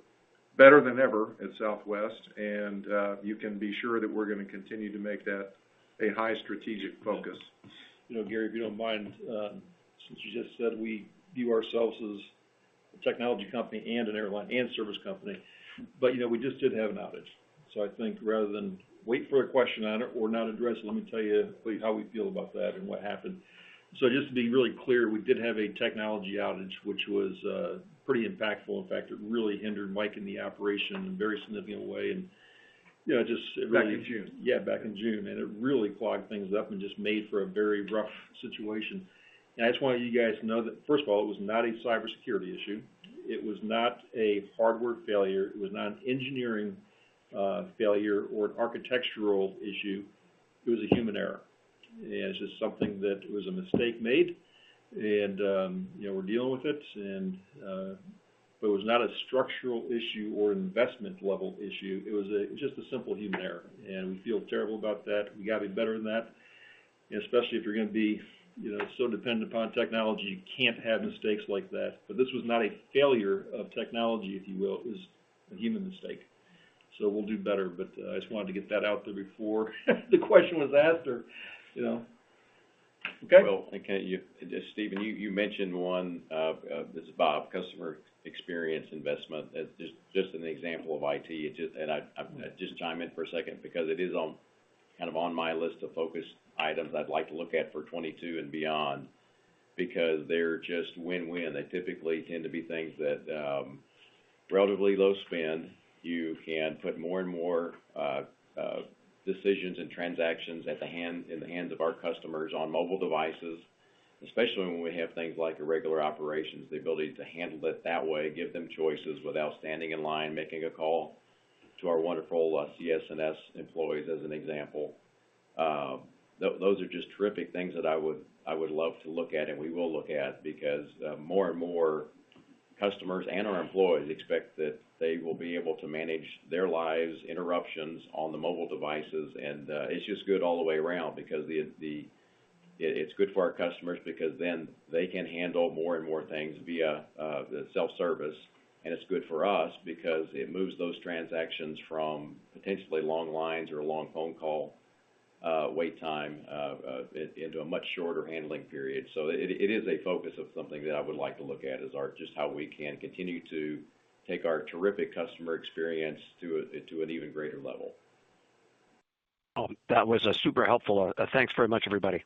better than ever at Southwest, and you can be sure that we're going to continue to make that a high strategic focus. Gary, if you don't mind, since you just said we view ourselves as a technology company and an airline and service company, we just did have an outage. I think rather than wait for a question on it or not address it, let me tell you how we feel about that and what happened. Just to be really clear, we did have a technology outage, which was pretty impactful. In fact, it really hindered running the operation in a very significant way and just. Back in June. Yeah, back in June, it really clogged things up and just made for a very rough situation. I just want you guys to know that, first of all, it was not a cybersecurity issue. It was not a hardware failure. It was not an engineering failure or an architectural issue. It was a human error. It's just something that was a mistake made, and we're dealing with it. It was not a structural issue or investment-level issue. It was just a simple human error, and we feel terrible about that. We got to be better than that, especially if you're going to be so dependent upon technology. You can't have mistakes like that. This was not a failure of technology, if you will. It was a human mistake. We'll do better, but I just wanted to get that out there before the question was asked or Okay. Well, Stephen Trent, you mentioned customer experience investment as just an example of IT. This is Bob Jordan. I just chime in for a second because it is kind of on my list of focus items I'd like to look at for 2022 and beyond because they're just win-win. They typically tend to be things that are relatively low spend. You can put more and more decisions and transactions in the hands of our customers on mobile devices, especially when we have things like irregular operations, the ability to handle it that way, give them choices without standing in line, making a call to our wonderful CS&S employees, as an example. Those are just terrific things that I would love to look at, and we will look at because more and more customers and our employees expect that they will be able to manage their lives, interruptions on the mobile devices. It's just good all the way around because it's good for our customers because then they can handle more and more things via the self-service. It's good for us because it moves those transactions from potentially long lines or a long phone call wait time into a much shorter handling period. It is a focus of something that I would like to look at, is just how we can continue to take our terrific customer experience to an even greater level. That was super helpful. Thanks very much, everybody.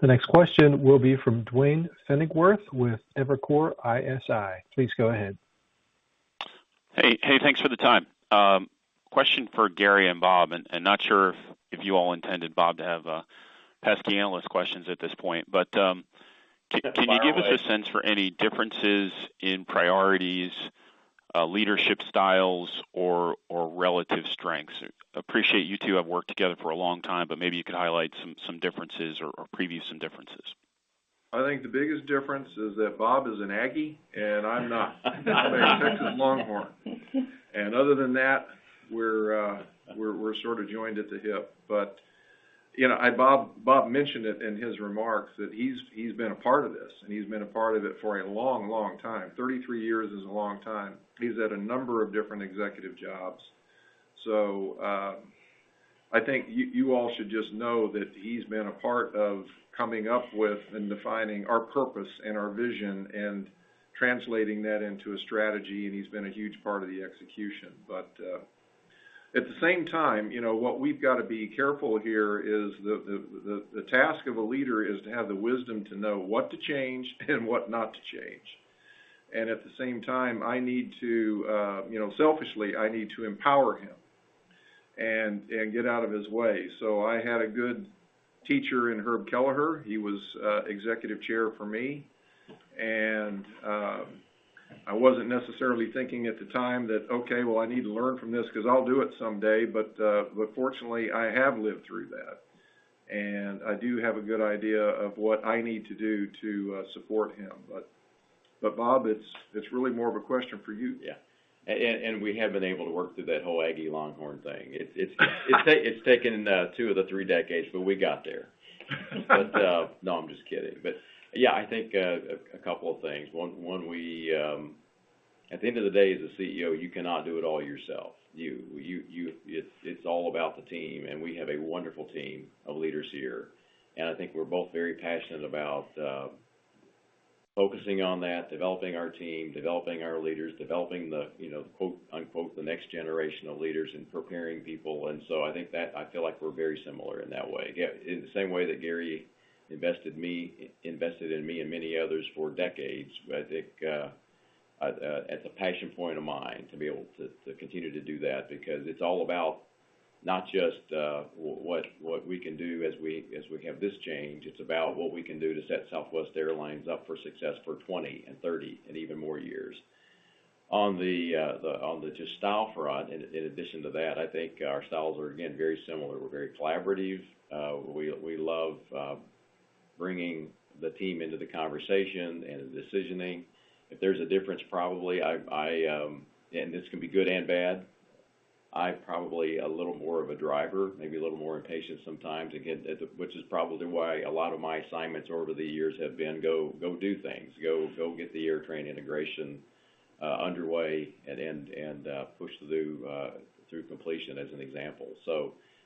The next question will be from Duane Pfennigwerth with Evercore ISI. Please go ahead. Hey, thanks for the time. Question for Gary and Bob, and not sure if you all intended Bob to have pesky analyst questions at this point. That's fine with me. Can you give us a sense for any differences in priorities, leadership styles, or relative strengths? Appreciate you two have worked together for a long time, maybe you could highlight some differences or preview some differences. I think the biggest difference is that Bob is an Aggie, and I'm not. I'm a Texas Longhorn. Other than that, we're sort of joined at the hip. Bob mentioned it in his remarks that he's been a part of this, and he's been a part of it for a long, long time. 33 years is a long time. He's had a number of different executive jobs. I think you all should just know that he's been a part of coming up with and defining our purpose and our vision and translating that into a strategy, and he's been a huge part of the execution. At the same time, what we've got to be careful here is the task of a leader is to have the wisdom to know what to change and what not to change. At the same time, selfishly, I need to empower him and get out of his way. I had a good teacher in Herb Kelleher. He was Executive Chair for me. I wasn't necessarily thinking at the time that, "Okay, well, I need to learn from this because I'll do it someday." Fortunately, I have lived through that, and I do have a good idea of what I need to do to support him. Bob, it's really more of a question for you. Yeah. We have been able to work through that whole Aggie-Longhorn thing. It's taken 2 of the 3 decades, but we got there. No, I'm just kidding. Yeah, I think a couple of things. One, at the end of the day, as a CEO, you cannot do it all yourself. It's all about the team, and we have a wonderful team of leaders here. I think we're both very passionate about focusing on that, developing our team, developing our leaders, developing the quote, unquote, "The next generation of leaders," and preparing people. I feel like we're very similar in that way. In the same way that Gary invested in me and many others for decades, I think that's a passion point of mine, to be able to continue to do that, because it's all about not just what we can do as we have this change. It's about what we can do to set Southwest Airlines up for success for 20 and 30 and even more years. On the gestalt front, in addition to that, I think our styles are, again, very similar. We're very collaborative. We love bringing the team into the conversation and the decisioning. If there's a difference, probably, and this can be good and bad, I'm probably a little more of a driver, maybe a little more impatient sometimes. Again, which is probably why a lot of my assignments over the years have been go do things. Go get the AirTran integration underway and push through completion, as an example.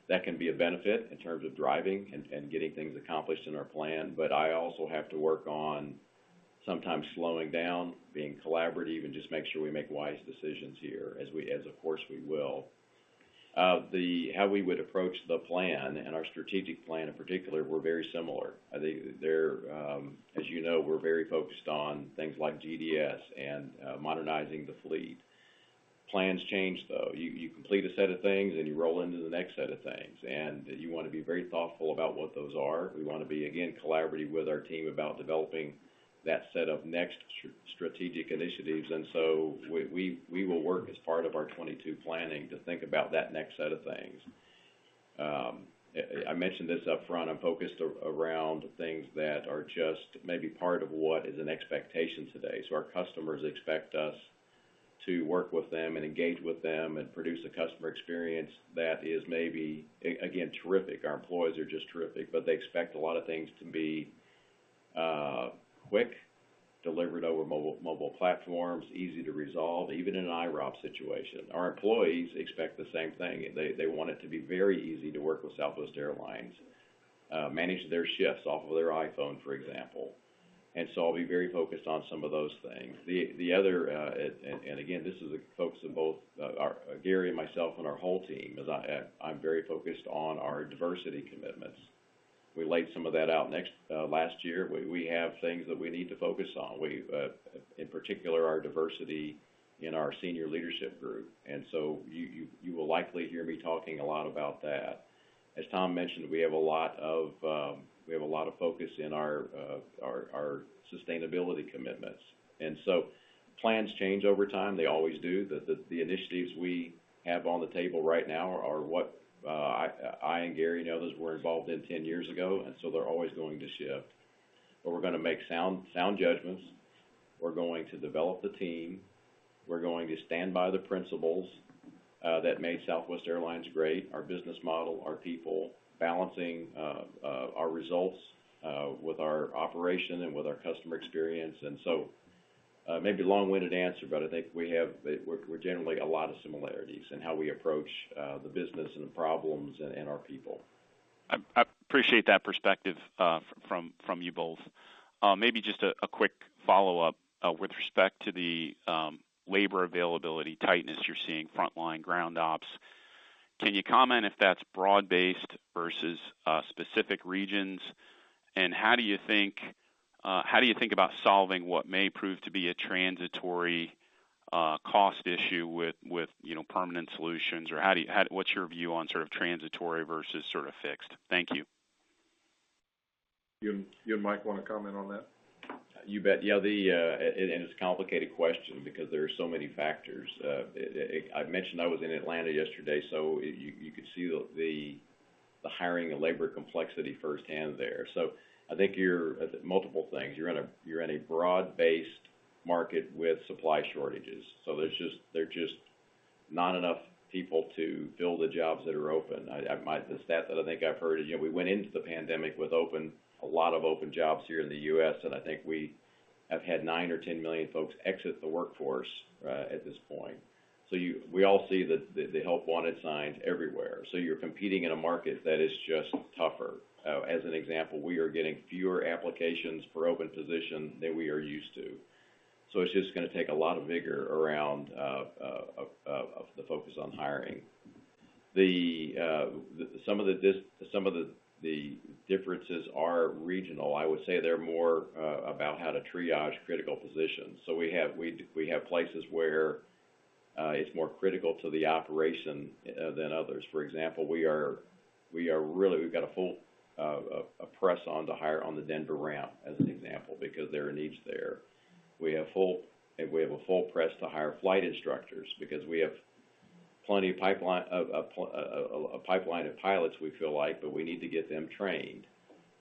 That can be a benefit in terms of driving and getting things accomplished in our plan, but I also have to work on sometimes slowing down, being collaborative, and just make sure we make wise decisions here, as of course we will. How we would approach the plan and our strategic plan in particular, we're very similar. As you know, we're very focused on things like GDS and modernizing the fleet. Plans change, though. You complete a set of things, and you roll into the next set of things, and you want to be very thoughtful about what those are. We want to be, again, collaborative with our team about developing that set of next strategic initiatives. We will work as part of our 2022 planning to think about that next set of things. I mentioned this up front, I'm focused around things that are just maybe part of what is an expectation today. Our customers expect us to work with them and engage with them and produce a customer experience that is maybe, again, terrific. Our employees are just terrific, but they expect a lot of things to be quick, delivered over mobile platforms, easy to resolve, even in an IROP situation. Our employees expect the same thing. They want it to be very easy to work with Southwest Airlines, manage their shifts off of their iPhone, for example. I'll be very focused on some of those things. The other, and again, this is the focus of both Gary and myself and our whole team, is I'm very focused on our diversity commitments. We laid some of that out last year. We have things that we need to focus on. In particular, our diversity in our senior leadership group. You will likely hear me talking a lot about that. As Tom mentioned, we have a lot of focus in our sustainability commitments. Plans change over time. They always do. The initiatives we have on the table right now are what I and Gary and others were involved in 10 years ago, they're always going to shift. We're going to make sound judgments. We're going to develop the team. We're going to stand by the principles that made Southwest Airlines great, our business model, our people, balancing our results with our operation and with our customer experience. Maybe a long-winded answer, but I think we have generally a lot of similarities in how we approach the business and the problems and our people. I appreciate that perspective from you both. Maybe just a quick follow-up with respect to the labor availability tightness you're seeing, frontline ground ops. Can you comment if that's broad-based versus specific regions? How do you think about solving what may prove to be a transitory cost issue with permanent solutions? What's your view on transitory versus fixed? Thank you. You and Mike want to comment on that? You bet. Yeah, it's a complicated question because there are so many factors. I mentioned I was in Atlanta yesterday, so you could see the hiring and labor complexity firsthand there. I think multiple things. You're in a broad-based market with supply shortages, so there are just not enough people to fill the jobs that are open. The stat that I think I've heard is we went into the pandemic with a lot of open jobs here in the U.S., and I think we have had 9 or 10 million folks exit the workforce at this point. We all see the "help wanted" signs everywhere, so you're competing in a market that is just tougher. As an example, we are getting fewer applications for open positions than we are used to. It's just going to take a lot of vigor around the focus on hiring. Some of the differences are regional. I would say they're more about how to triage critical positions. We have places where it's more critical to the operation than others. For example, we've got a full press on the hire on the Denver ramp, as an example, because there are needs there. We have a full press to hire flight instructors because we have a pipeline of pilots, we feel like, but we need to get them trained.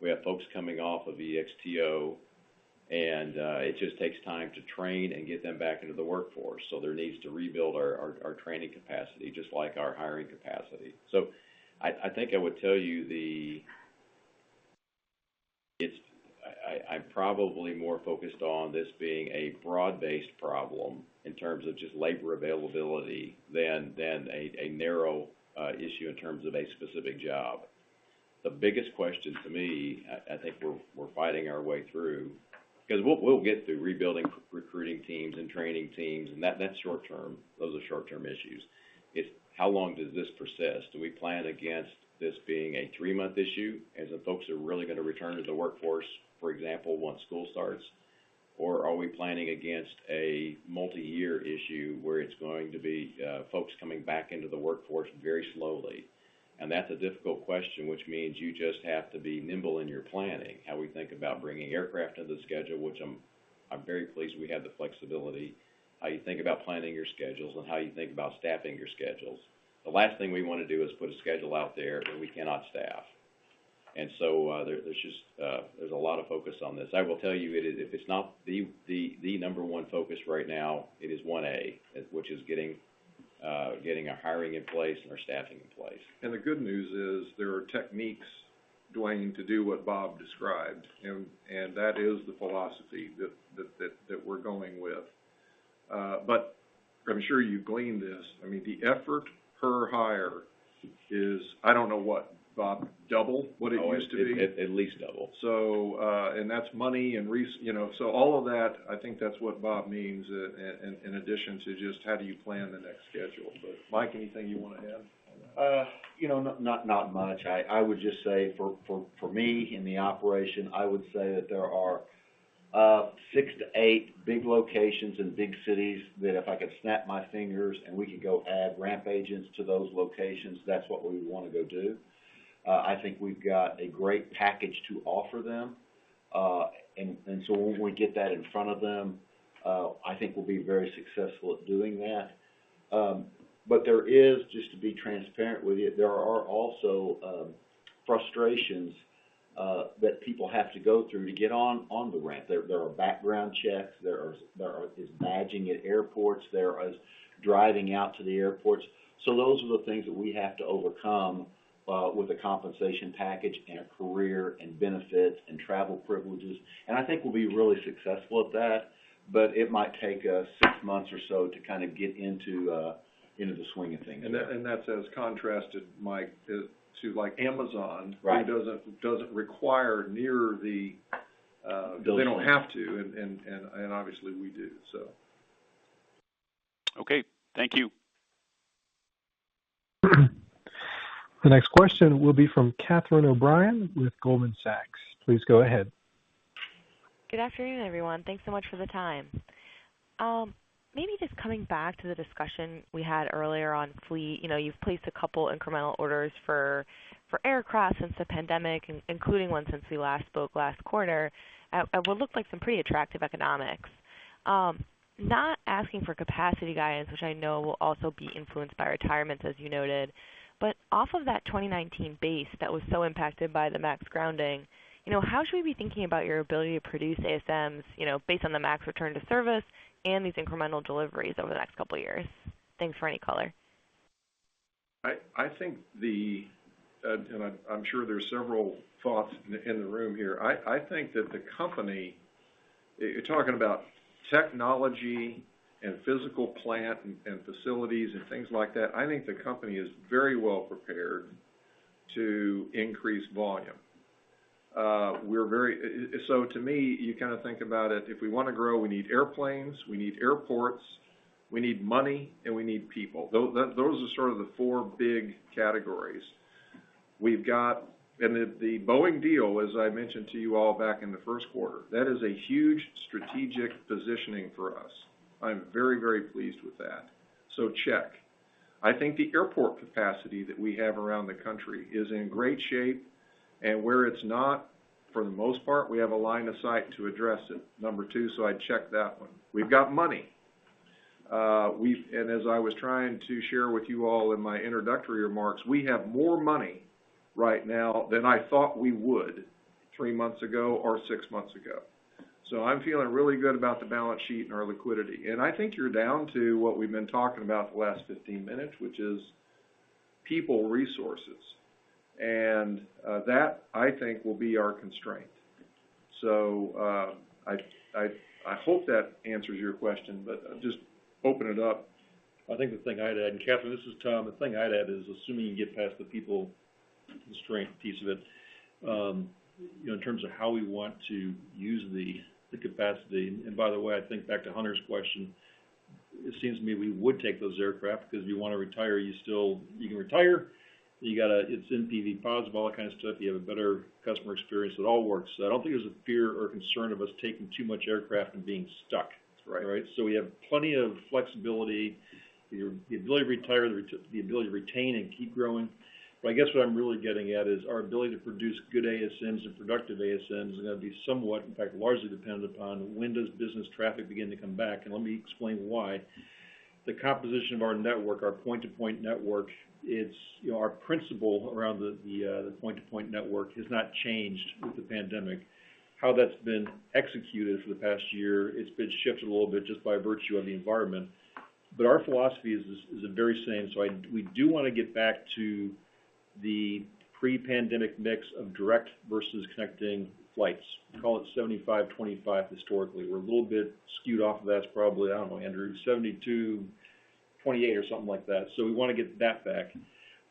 We have folks coming off of EXTO, and it just takes time to train and get them back into the workforce, so there needs to rebuild our training capacity, just like our hiring capacity. I think I would tell you I'm probably more focused on this being a broad-based problem in terms of just labor availability than a narrow issue in terms of a specific job. The biggest question to me, I think we're fighting our way through, because we'll get to rebuilding recruiting teams and training teams, and that's short-term. Those are short-term issues. It's how long does this persist? Do we plan against this being a three-month issue, as in folks are really going to return to the workforce, for example, once school starts? Are we planning against a multi-year issue where it's going to be folks coming back into the workforce very slowly? That's a difficult question, which means you just have to be nimble in your planning. How we think about bringing aircraft to the schedule, which I'm very pleased we had the flexibility, how you think about planning your schedules, and how you think about staffing your schedules. The last thing we want to do is put a schedule out there that we cannot staff. There's a lot of focus on this. I will tell you, if it's not the number one focus right now, it is 1A, which is getting our hiring in place and our staffing in place. The good news is there are techniques, Duane, to do what Bob described, and that is the philosophy that we're going with. I'm sure you gleaned this. The effort per hire is, I don't know what, Bob, double what it used to be? At least double. That's money and resource. All of that, I think that's what Bob means, in addition to just how do you plan the next schedule. Mike, anything you want to add? Not much. I would just say for me in the operation, I would say that there are 6 to 8 big locations in big cities that if I could snap my fingers and we could go add ramp agents to those locations, that's what we would want to go do. I think we've got a great package to offer them. When we get that in front of them, I think we'll be very successful at doing that. There is, just to be transparent with you, there are also frustrations that people have to go through to get on the ramp. There are background checks. There is badging at airports. There is driving out to the airports. Those are the things that we have to overcome with a compensation package and a career and benefits and travel privileges. I think we'll be really successful at that, but it might take us six months or so to kind of get into the swing of things. That's as contrasted, Mike, to Amazon. Right who doesn't require near. They don't have to, and obviously we do. Okay. Thank you. The next question will be from Catherine O'Brien with Goldman Sachs. Please go ahead. Good afternoon, everyone. Thanks so much for the time. Maybe just coming back to the discussion we had earlier on fleet. You've placed a couple incremental orders for aircraft since the pandemic, including one since we last spoke last quarter, at what looked like some pretty attractive economics. Not asking for capacity guidance, which I know will also be influenced by retirements, as you noted, but off of that 2019 base that was so impacted by the MAX grounding, how should we be thinking about your ability to produce ASMs based on the MAX return to service and these incremental deliveries over the next couple of years? Thanks for any color. I'm sure there's several thoughts in the room here. I think that the company, you're talking about technology and physical plant and facilities and things like that. I think the company is very well-prepared to increase volume. To me, you kind of think about it, if we want to grow, we need airplanes, we need airports, we need money, and we need people. Those are sort of the four big categories. The Boeing deal, as I mentioned to you all back in the first quarter, that is a huge strategic positioning for us. I'm very pleased with that. Check. I think the airport capacity that we have around the country is in great shape, and where it's not, for the most part, we have a line of sight to address it, number 2, so I'd check that one. We've got money. As I was trying to share with you all in my introductory remarks, we have more money right now than I thought we would three months ago or six months ago. I'm feeling really good about the balance sheet and our liquidity. I think you're down to what we've been talking about the last 15 minutes, which is people resources. That, I think, will be our constraint. I hope that answers your question, but just open it up. I think the thing I'd add, Catherine, this is Tom, the thing I'd add is assuming you get past the people constraint piece of it, in terms of how we want to use the capacity. By the way, I think back to Hunter's question, it seems to me we would take those aircraft because if you want to retire, you can retire. It's NPV positive, all that kind of stuff. You have a better customer experience. It all works. I don't think there's a fear or concern of us taking too much aircraft and being stuck. Right. We have plenty of flexibility, the ability to retire, the ability to retain and keep growing. I guess what I'm really getting at is our ability to produce good ASMs and productive ASMs is going to be somewhat, in fact, largely dependent upon when does business traffic begin to come back, and let me explain why. The composition of our network, our point-to-point network, our principle around the point-to-point network has not changed with the pandemic. How that's been executed for the past year, it's been shifted a little bit just by virtue of the environment. Our philosophy is the very same. We do want to get back to the pre-pandemic mix of direct versus connecting flights. Call it 75/25 historically. We're a little bit skewed off of that. It's probably, I don't know, Andrew, 72/28 or something like that. We want to get that back.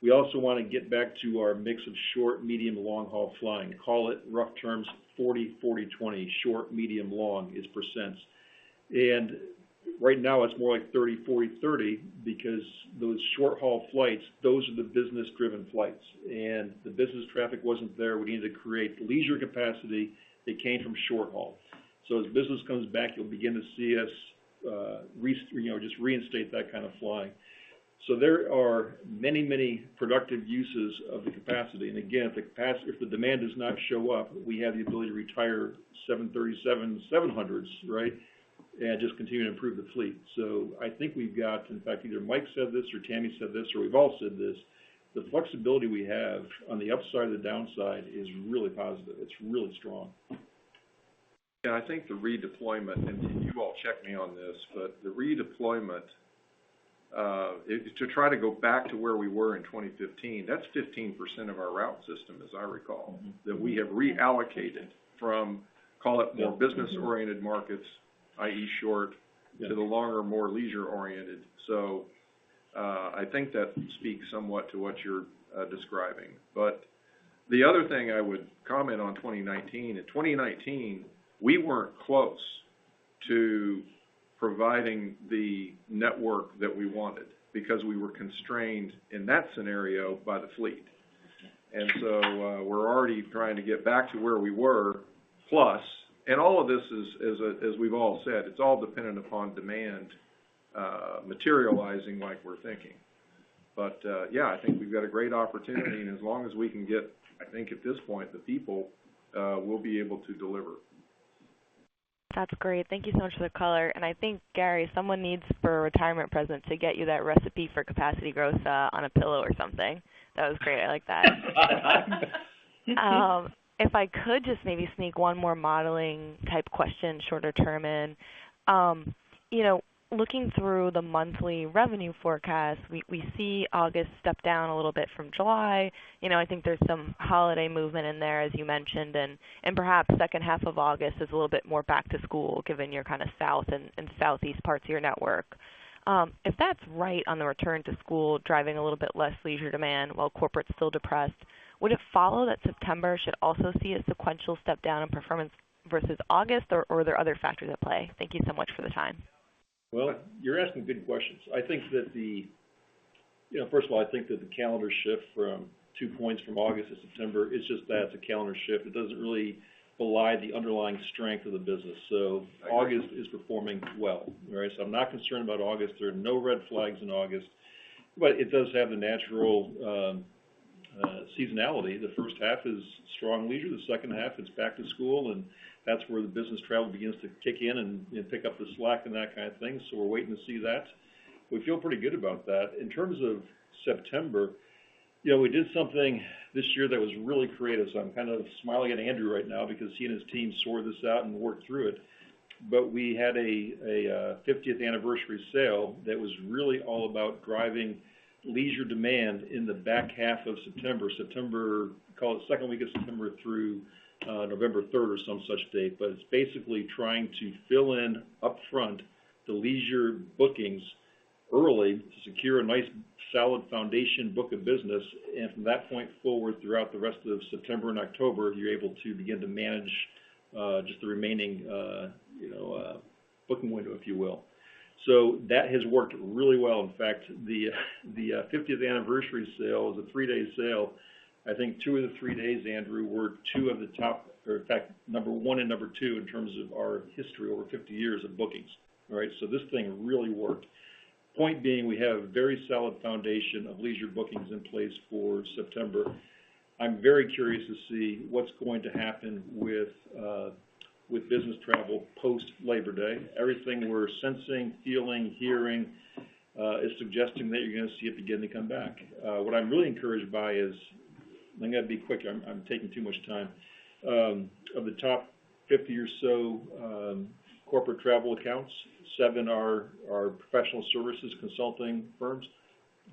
We also want to get back to our mix of short, medium, and long-haul flying. Call it, rough terms, 40/40/20, short, medium, long, is percents. Right now it's more like 30/40/30 because those short-haul flights, those are the business-driven flights. The business traffic wasn't there. We needed to create leisure capacity that came from short haul. As business comes back, you'll begin to see us just reinstate that kind of flying. There are many, many productive uses of the capacity, and again, if the demand does not show up, we have the ability to retire 737-700s, right? Just continue to improve the fleet. I think we've got, In fact, either Mike said this or Tammy said this, or we've all said this, the flexibility we have on the upside or the downside is really positive. It's really strong. I think the redeployment, and you all check me on this, but the redeployment, to try to go back to where we were in 2015, that's 15% of our route system, as I recall. That we have reallocated from, call it more business-oriented markets, i.e. short to the longer, more leisure-oriented. I think that speaks somewhat to what you're describing. The other thing I would comment on 2019, in 2019, we weren't close to providing the network that we wanted because we were constrained in that scenario by the fleet. We're already trying to get back to where we were, plus, and all of this is, as we've all said, it's all dependent upon demand materializing like we're thinking. Yeah, I think we've got a great opportunity, and as long as we can get, I think at this point, the people, we'll be able to deliver. That's great. Thank you so much for the color. I think, Gary, someone needs for a retirement present to get you that recipe for capacity growth on a pillow or something. That was great, I like that. If I could just maybe sneak 1 more modeling-type question, shorter term in. Looking through the monthly revenue forecast, we see August step down a little bit from July. I think there's some holiday movement in there, as you mentioned, and perhaps second half of August is a little bit more back to school, given your South and Southeast parts of your network. If that's right on the return to school, driving a little bit less leisure demand while corporate's still depressed, would it follow that September should also see a sequential step down in performance versus August, or are there other factors at play? Thank you so much for the time. Well, you're asking good questions. First of all, I think that the calendar shift from 2 points from August to September, it's just that. It's a calendar shift. It doesn't really belie the underlying strength of the business. August is performing well. I'm not concerned about August. There are no red flags in August, but it does have the natural seasonality. The first half is strong leisure, the second half is back to school, and that's where the business travel begins to kick in and pick up the slack and that kind of thing. We're waiting to see that. We feel pretty good about that. In terms of September, we did something this year that was really creative, so I'm kind of smiling at Andrew right now because he and his team sweated this out and worked through it. We had a 50th anniversary sale that was really all about driving leisure demand in the back half of September. Call it 2nd week of September through November 3rd or some such date. It's basically trying to fill in upfront the leisure bookings early to secure a nice solid foundation book of business, and from that point forward, throughout the rest of September and October, you are able to begin to manage just the remaining booking window, if you will. That has worked really well. In fact, the 50th anniversary sale is a 3-day sale. I think 2 of the 3 days, Andrew, were 2 of the top or in fact, number 1 and number 2 in terms of our history over 50 years of bookings. This thing really worked. Point being, we have a very solid foundation of leisure bookings in place for September. I'm very curious to see what's going to happen with business travel post-Labor Day. Everything we're sensing, feeling, hearing, is suggesting that you're going to see it begin to come back. What I'm really encouraged by is, I got to be quick, I'm taking too much time. Of the top 50 or so corporate travel accounts, 7 are professional services consulting firms.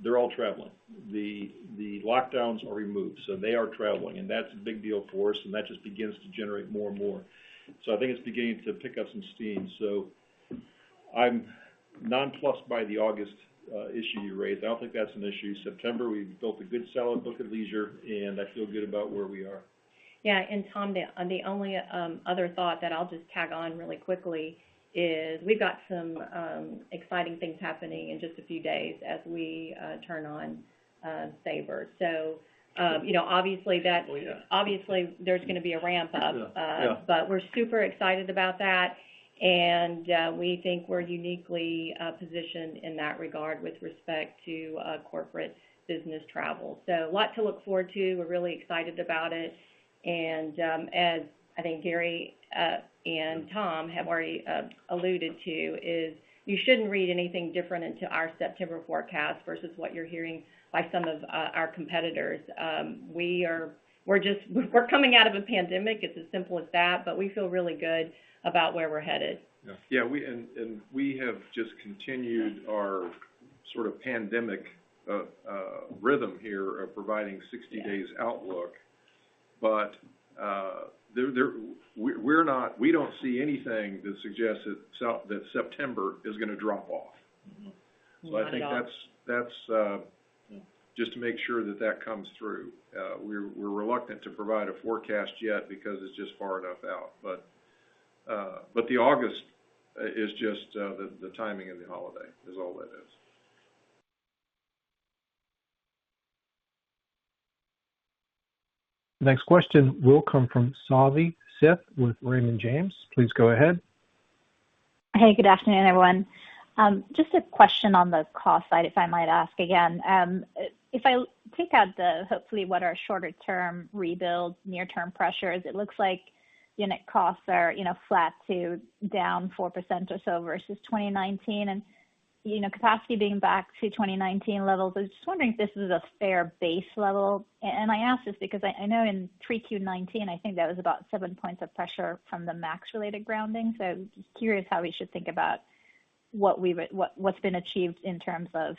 They're all traveling. The lockdowns are removed. They are traveling, and that's a big deal for us, and that just begins to generate more and more. I think it's beginning to pick up some steam. I'm nonplussed by the August issue you raised. I don't think that's an issue. September, we've built a good, solid book of leisure, and I feel good about where we are. Yeah. Tom, the only other thought that I'll just tag on really quickly is we've got some exciting things happening in just a few days as we turn on Sabre. Absolutely, yeah. obviously there's going to be a ramp-up. Yeah. We're super excited about that, and we think we're uniquely positioned in that regard with respect to corporate business travel. A lot to look forward to. We're really excited about it, and as I think Gary and Tom have already alluded to, is you shouldn't read anything different into our September forecast versus what you're hearing by some of our competitors. We're coming out of a pandemic, it's as simple as that, but we feel really good about where we're headed. Yeah. We have just continued our sort of pandemic rhythm here of providing 60 days outlook. We don't see anything that suggests that September is going to drop off. I think that's just to make sure that that comes through. We're reluctant to provide a forecast yet because it's just far enough out. The August is just the timing of the holiday, is all that is. Next question will come from Savi Syth with Raymond James. Please go ahead. Hey, good afternoon, everyone. Just a question on the cost side, if I might ask again. If I take out the, hopefully, what are shorter-term rebuild, near-term pressures, it looks like unit costs are flat to down 4% or so versus 2019, and capacity being back to 2019 levels. I was just wondering if this is a fair base level. I ask this because I know in 3Q 2019, I think that was about seven points of pressure from the MAX-related grounding. Just curious how we should think about what's been achieved in terms of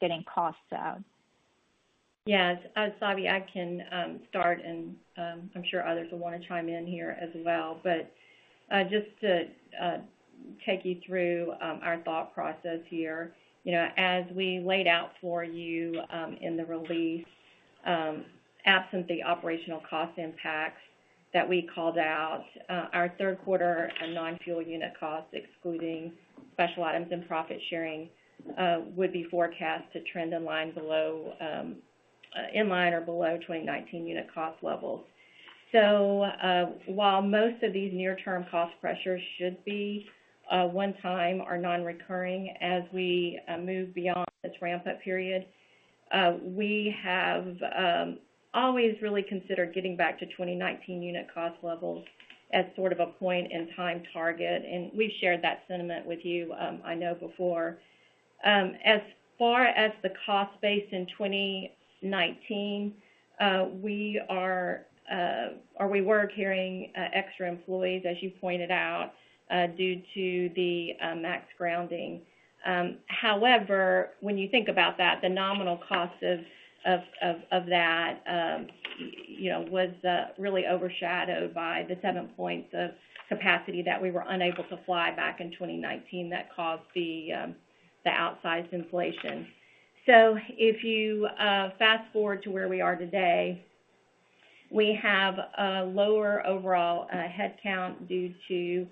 getting costs down. Yes. Savi, I can start and I am sure others will want to chime in here as well. Just to take you through our thought process here. As we laid out for you in the release, absent the operational cost impacts that we called out, our third quarter non-fuel unit costs, excluding special items and profit sharing, would be forecast to trend in line or below 2019 unit cost levels. While most of these near-term cost pressures should be 1-time or non-recurring as we move beyond this ramp-up period, we have always really considered getting back to 2019 unit cost levels as sort of a point-in-time target, and we have shared that sentiment with you, I know before. As far as the cost base in 2019, we were carrying extra employees, as you pointed out, due to the MAX grounding. When you think about that, the nominal cost of that was really overshadowed by the 7 points of capacity that we were unable to fly back in 2019 that caused the outsized inflation. If you fast-forward to where we are today, we have a lower overall headcount due to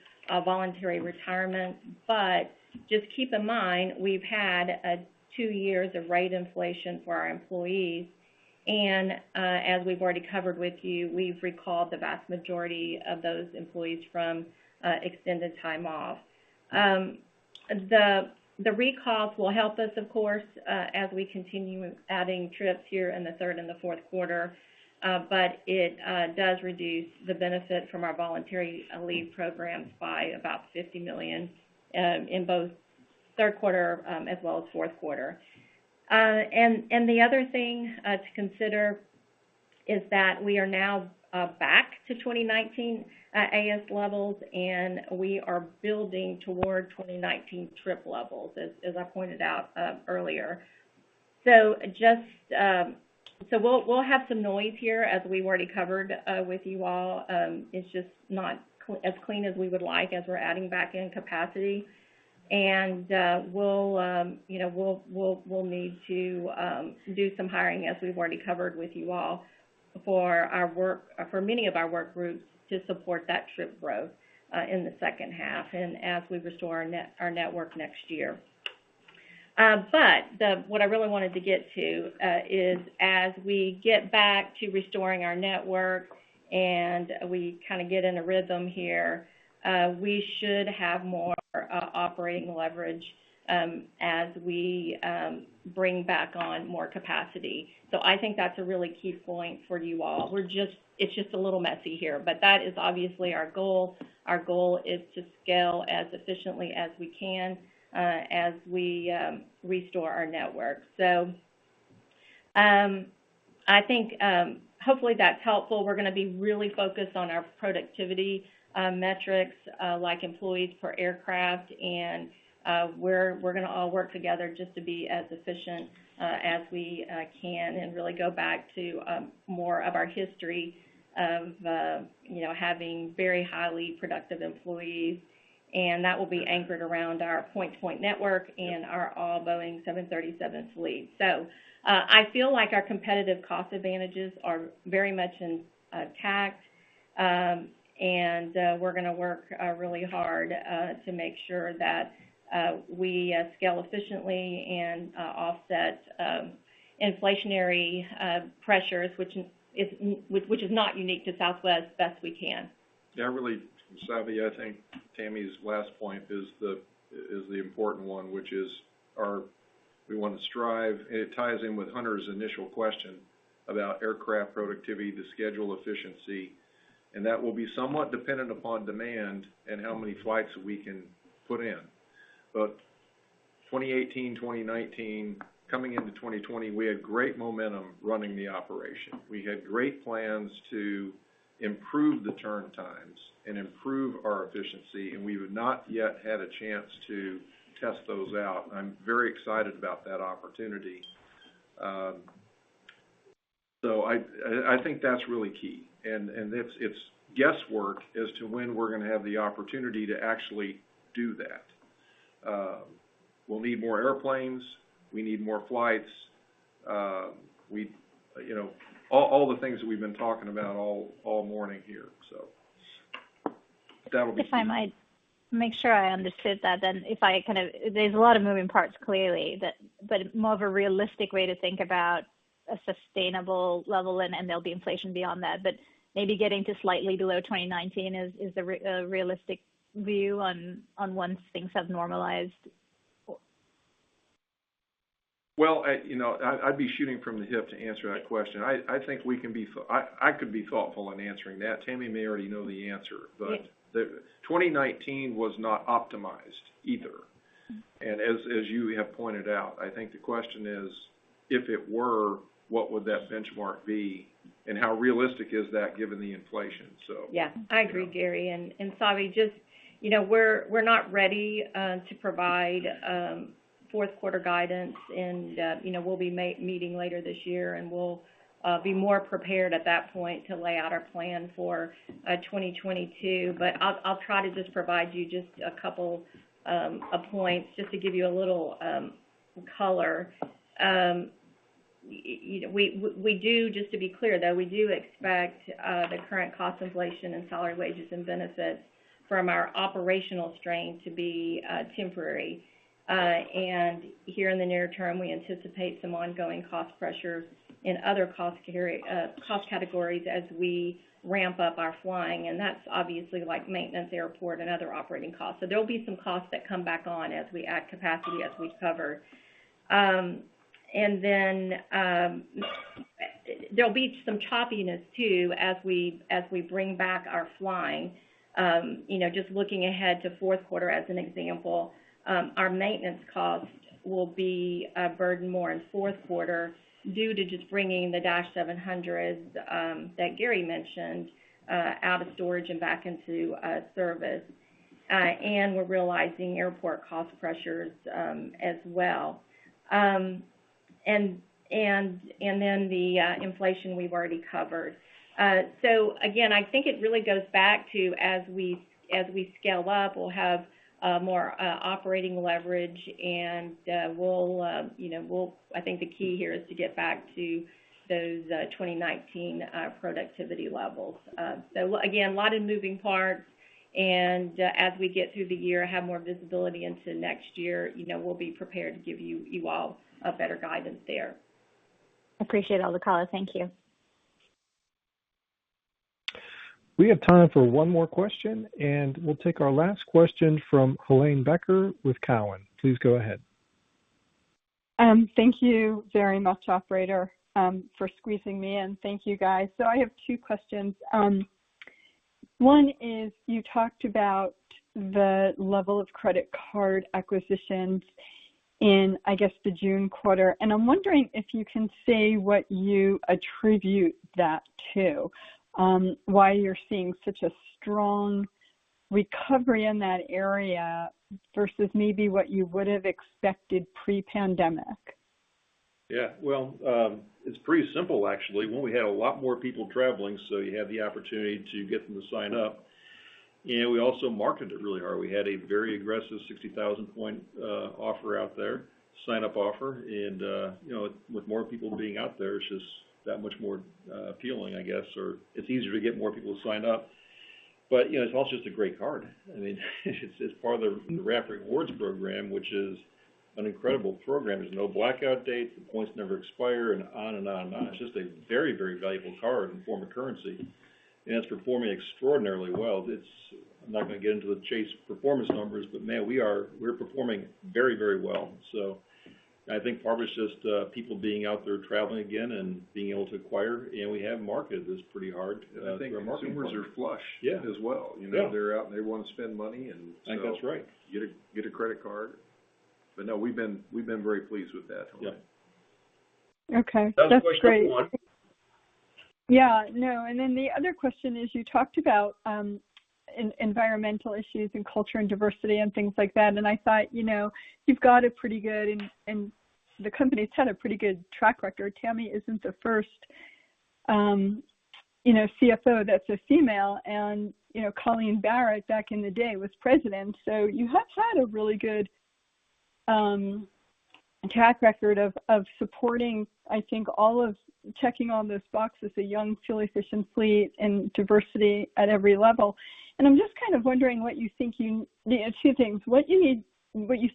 voluntary retirement. Just keep in mind, we've had 2 years of rate inflation for our employees, and as we've already covered with you, we've recalled the vast majority of those employees from extended time off. The recalls will help us of course, as we continue adding trips here in the third and fourth quarter, but it does reduce the benefit from our voluntary leave programs by about $50 million in both third quarter as well as fourth quarter. The other thing to consider is that we are now back to 2019 AS levels, and we are building toward 2019 trip levels, as I pointed out earlier. We'll have some noise here, as we've already covered with you all. It's just not as clean as we would like as we're adding back in capacity. We'll need to do some hiring, as we've already covered with you all, for many of our work groups to support that trip growth in the second half and as we restore our network next year. What I really wanted to get to is as we get back to restoring our network and we kind of get in a rhythm here, we should have more operating leverage as we bring back on more capacity. I think that's a really key point for you all. It's just a little messy here, but that is obviously our goal. Our goal is to scale as efficiently as we can as we restore our network. I think hopefully that's helpful. We're going to be really focused on our productivity metrics, like employees for aircraft, and we're going to all work together just to be as efficient as we can and really go back to more of our history of having very highly productive employees, and that will be anchored around our point-to-point network and our all-Boeing 737 fleet. I feel like our competitive cost advantages are very much intact, and we're going to work really hard to make sure that we scale efficiently and offset inflationary pressures, which is not unique to Southwest, as best we can. Really, Savi, I think Tammy's last point is the important one. It ties in with Hunter's initial question about aircraft productivity to schedule efficiency, and that will be somewhat dependent upon demand and how many flights we can put in. 2018, 2019, coming into 2020, we had great momentum running the operation. We had great plans to improve the turn times and improve our efficiency, and we have not yet had a chance to test those out. I'm very excited about that opportunity. I think that's really key, and it's guesswork as to when we're going to have the opportunity to actually do that. We'll need more airplanes, we need more flights, all the things that we've been talking about all morning here. That'll be key. If I might make sure I understood that then. There's a lot of moving parts, clearly, but more of a realistic way to think about a sustainable level, and there'll be inflation beyond that, but maybe getting to slightly below 2019 is a realistic view on once things have normalized? Well, I'd be shooting from the hip to answer that question. I could be thoughtful in answering that. Tammy may already know the answer. 2019 was not optimized either. As you have pointed out, I think the question is, if it were, what would that benchmark be, and how realistic is that given the inflation? Yeah. I agree, Gary. Savi, we're not ready to provide fourth quarter guidance and we'll be meeting later this year, and we'll be more prepared at that point to lay out our plan for 2022. I'll try to just provide you just a couple of points just to give you a little color. Just to be clear, though, we do expect the current cost inflation and salary wages and benefits from our operational strain to be temporary. Here in the near term, we anticipate some ongoing cost pressures in other cost categories as we ramp up our flying, and that's obviously like maintenance, airport, and other operating costs. There'll be some costs that come back on as we add capacity, as we've covered. Then, there'll be some choppiness, too, as we bring back our flying. Just looking ahead to fourth quarter as an example, our maintenance cost will be a burden more in fourth quarter due to just bringing the Dash 700s, that Gary mentioned, out of storage and back into service. We're realizing airport cost pressures as well. Then the inflation we've already covered. Again, I think it really goes back to as we scale up, we'll have more operating leverage and I think the key here is to get back to those 2019 productivity levels. Again, lot of moving parts, and as we get through the year, have more visibility into next year, we'll be prepared to give you all a better guidance there. Appreciate all the color. Thank you. We have time for one more question, and we'll take our last question from Helane Becker with Cowen. Please go ahead. Thank you very much, operator, for squeezing me in. Thank you, guys. I have 2 questions. One is, you talked about the level of credit card acquisitions in, I guess, the June quarter, and I'm wondering if you can say what you attribute that to, why you're seeing such a strong recovery in that area versus maybe what you would have expected pre-pandemic? Yeah. Well, it's pretty simple, actually. One, we had a lot more people traveling, so you have the opportunity to get them to sign up. We also marketed really hard. We had a very aggressive 60,000-point offer out there, sign-up offer. With more people being out there, it's just that much more appealing, I guess, or it's easier to get more people to sign up. It's also just a great card. I mean, it's part of the Rapid Rewards program, which is an incredible program. There's no blackout dates, the points never expire, and on and on and on. It's just a very valuable card and form of currency, and it's performing extraordinarily well. I'm not going to get into the Chase performance numbers, but man, we're performing very well. I think partly it's just people being out there traveling again and being able to acquire, and we have marketed this pretty hard through our marketing partners. I think consumers are flush. Yeah as well. Yeah. They're out and they want to spend money. I think that's right. get a credit card. No, we've been very pleased with that, Helane. Yeah. Okay. That's great. That was question 1. No, the other question is, you talked about environmental issues and culture and diversity and things like that, and I thought you've got it pretty good and the company's had a pretty good track record. Tammy isn't the first CFO that's a female, and Colleen Barrett back in the day was President. You have had a really good track record of supporting, I think, all of checking all those boxes, a young, fuel-efficient fleet and diversity at every level, and I'm just kind of wondering what you think. Two things: what you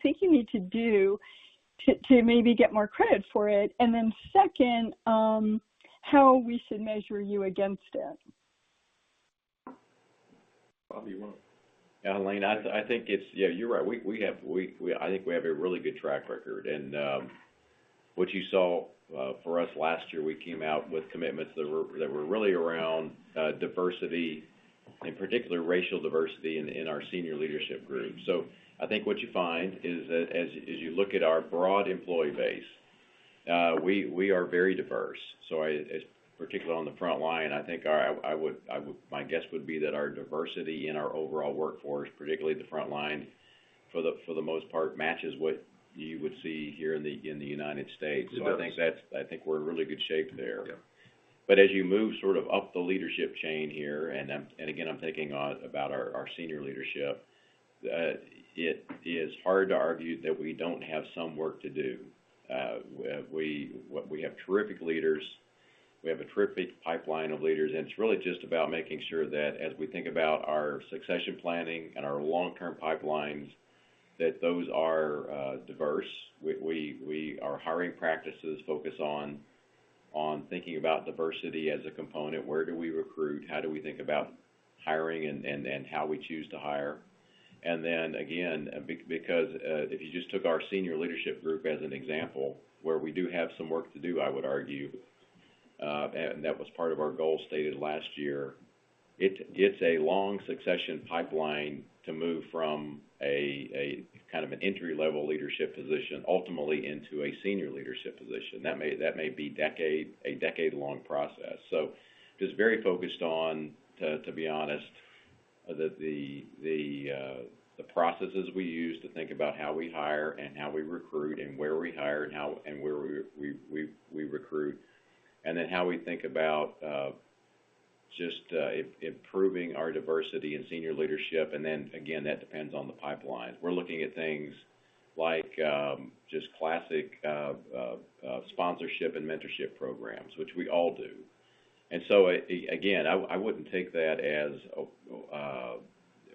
think you need to do to maybe get more credit for it, and second, how we should measure you against it. Bob, you want? Helane, I think it's. Yeah, you're right. I think we have a really good track record. What you saw for us last year, we came out with commitments that were really around diversity, in particular racial diversity in our senior leadership group. I think what you find is that as you look at our broad employee base, we are very diverse. Particularly on the front line, my guess would be that our diversity in our overall workforce, particularly the front line, for the most part, matches what you would see here in the United States. Absolutely. I think we're in really good shape there. Yeah. As you move sort of up the leadership chain here, and again, I'm thinking about our senior leadership, it is hard to argue that we don't have some work to do. We have terrific leaders. We have a terrific pipeline of leaders, and it's really just about making sure that as we think about our succession planning and our long-term pipelines, that those are diverse. Our hiring practices focus on thinking about diversity as a component. Where do we recruit? How do we think about hiring and how we choose to hire? Then, again, because if you just took our senior leadership group as an example, where we do have some work to do, I would argue, and that was part of our goal stated last year. It's a long succession pipeline to move from a kind of an entry-level leadership position, ultimately into a senior leadership position. That may be a decade-long process. Just very focused on, to be honest, the processes we use to think about how we hire and how we recruit, and where we hire and where we recruit, and then how we think about just improving our diversity in senior leadership, and then again, that depends on the pipeline. We're looking at things like just classic sponsorship and mentorship programs, which we all do. Again, I wouldn't take that as,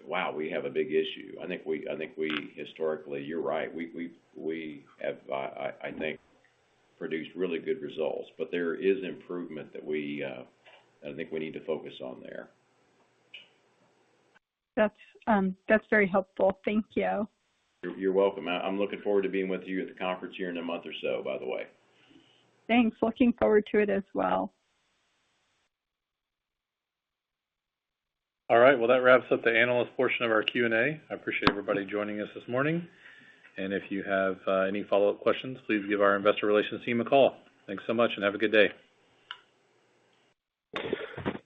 "Wow, we have a big issue." I think we historically, you're right, we have, I think, produced really good results. There is improvement that I think we need to focus on there. That's very helpful. Thank you. You're welcome. I'm looking forward to being with you at the conference here in a month or so, by the way. Thanks. Looking forward to it as well. All right. Well, that wraps up the analyst portion of our Q&A. I appreciate everybody joining us this morning. If you have any follow-up questions, please give our investor relations team a call. Thanks so much and have a good day.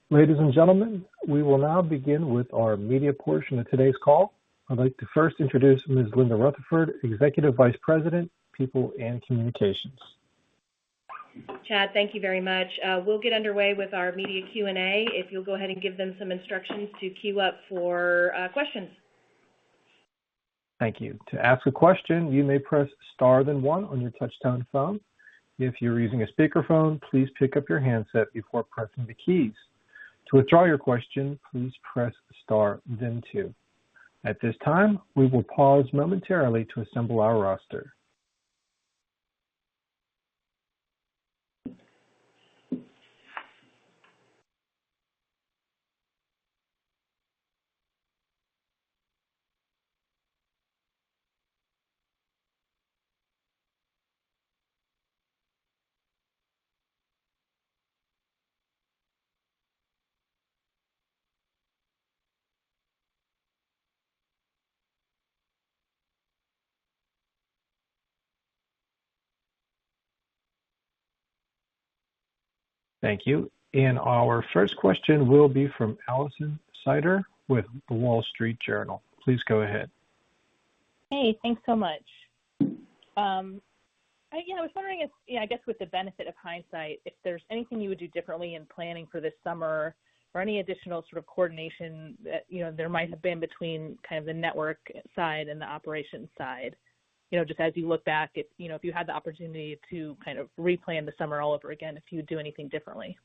Ladies and gentlemen, we will now begin with our media portion of today's call. I'd like to first introduce Ms. Linda Rutherford, Executive Vice President, People and Communications. Chad, thank you very much. We'll get underway with our media Q&A. If you'll go ahead and give them some instructions to queue up for questions. Thank you. Thank you. Our first question will be from Alison Sider with The Wall Street Journal. Please go ahead. Hey, thanks so much. I was wondering if, I guess with the benefit of hindsight, if there's anything you would do differently in planning for this summer or any additional sort of coordination that there might have been between kind of the network side and the operations side? Just as you look back, if you had the opportunity to kind of replan the summer all over again, if you would do anything differently?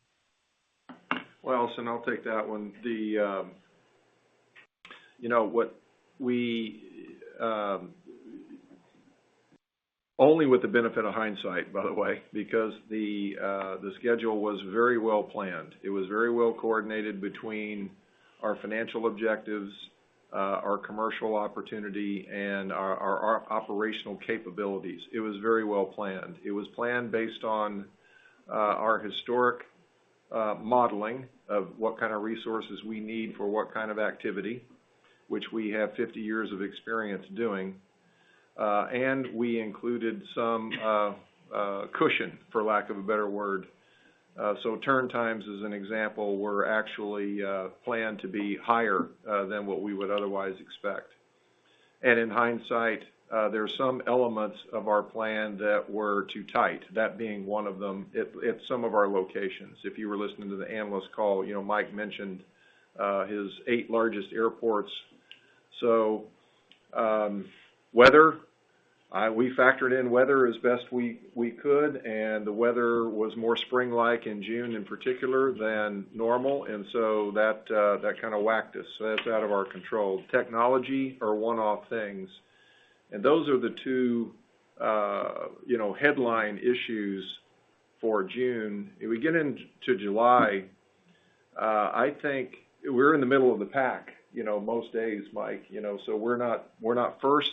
Well, Alison, I'll take that one. Only with the benefit of hindsight, by the way, because the schedule was very well planned. It was very well coordinated between our financial objectives, our commercial opportunity, and our operational capabilities. It was very well planned. It was planned based on our historic modeling of what kind of resources we need for what kind of activity, which we have 50 years of experience doing. We included some cushion, for lack of a better word. Turn times, as an example, were actually planned to be higher than what we would otherwise expect. In hindsight, there are some elements of our plan that were too tight, that being one of them at some of our locations. If you were listening to the analyst call, Mike mentioned his eight largest airports. Weather, we factored in weather as best we could, and the weather was more spring-like in June, in particular than normal, that kind of whacked us. That's out of our control. Technology are one-off things, those are the two headline issues for June. If we get into July, I think we're in the middle of the pack most days, Mike. We're not first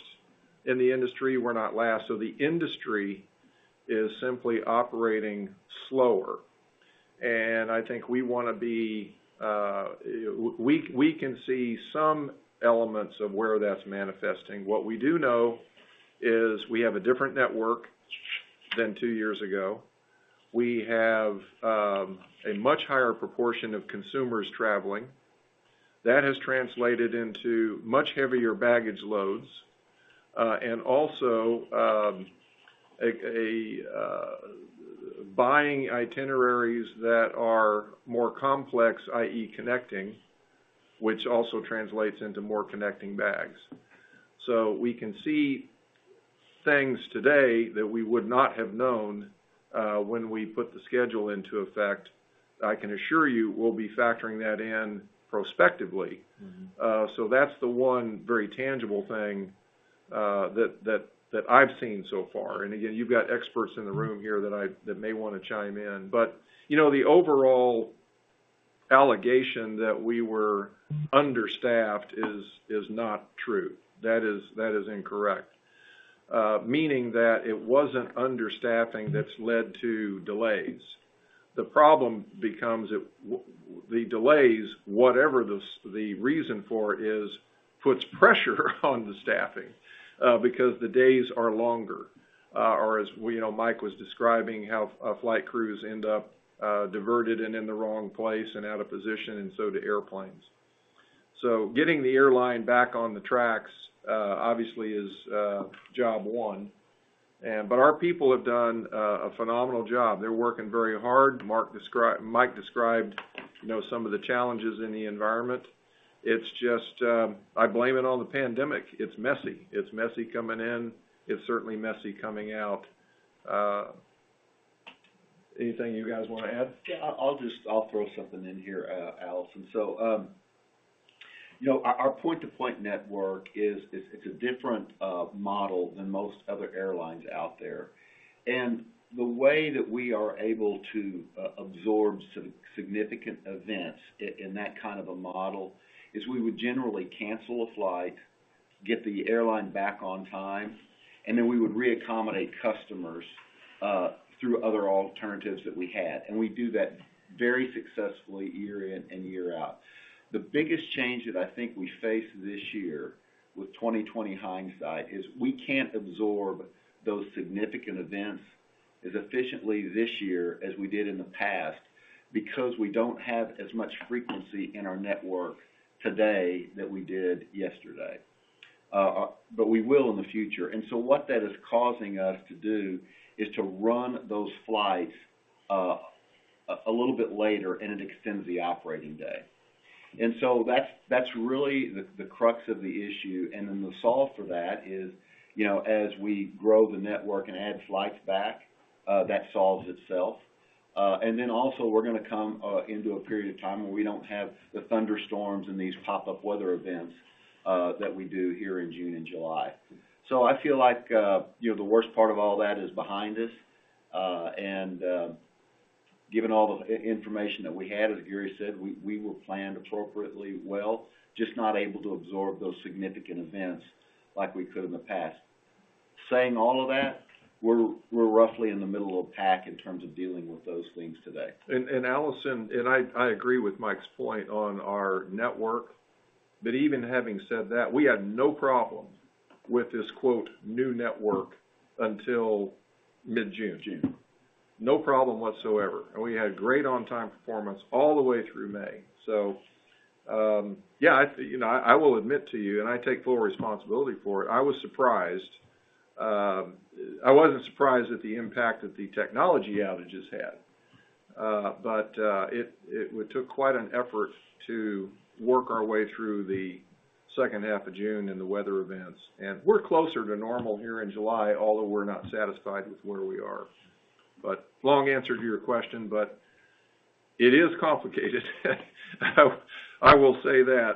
in the industry. We're not last. The industry is simply operating slower. I think we can see some elements of where that's manifesting. What we do know is we have a different network. than 2 years ago. We have a much higher proportion of consumers traveling. That has translated into much heavier baggage loads, and also buying itineraries that are more complex, i.e. connecting, which also translates into more connecting bags. We can see things today that we would not have known when we put the schedule into effect. I can assure you we'll be factoring that in prospectively. That's the one very tangible thing that I've seen so far. Again, you've got experts in the room here that may want to chime in. The overall allegation that we were understaffed is not true. That is incorrect, meaning that it wasn't understaffing that's led to delays. The problem becomes the delays, whatever the reason for it is, puts pressure on the staffing because the days are longer. As Mike was describing how flight crews end up diverted and in the wrong place and out of position, and so do airplanes. Getting the airline back on the tracks, obviously, is job one. Our people have done a phenomenal job. They're working very hard. Mike described some of the challenges in the environment. I blame it on the pandemic. It's messy. It's messy coming in. It's certainly messy coming out. Anything you guys want to add? Yeah. I'll throw something in here, Alison. Our point-to-point network is a different model than most other airlines out there. The way that we are able to absorb significant events in that kind of a model is we would generally cancel a flight, get the airline back on time, and then we would re-accommodate customers through other alternatives that we had. We do that very successfully year in and year out. The biggest change that I think we face this year with 2020 hindsight is we can't absorb those significant events as efficiently this year as we did in the past because we don't have as much frequency in our network today that we did yesterday. We will in the future. What that is causing us to do is to run those flights a little bit later and it extends the operating day. That's really the crux of the issue. The solve for that is, as we grow the network and add flights back, that solves itself. Also we're going to come into a period of time where we don't have the thunderstorms and these pop-up weather events that we do here in June and July. I feel like the worst part of all that is behind us. Given all the information that we had, as Gary said, we planned appropriately well, just not able to absorb those significant events like we could in the past. Saying all of that, we're roughly in the middle of the pack in terms of dealing with those things today. Alison, and I agree with Mike's point on our network, but even having said that, we had no problem with this quote, "new network" until mid-June. June. No problem whatsoever. We had great on-time performance all the way through May. Yeah, I will admit to you, and I take full responsibility for it, I was surprised. I wasn't surprised at the impact that the technology outages had, but it took quite an effort to work our way through the second half of June and the weather events. We're closer to normal here in July, although we're not satisfied with where we are. Long answer to your question, but it is complicated. I will say that.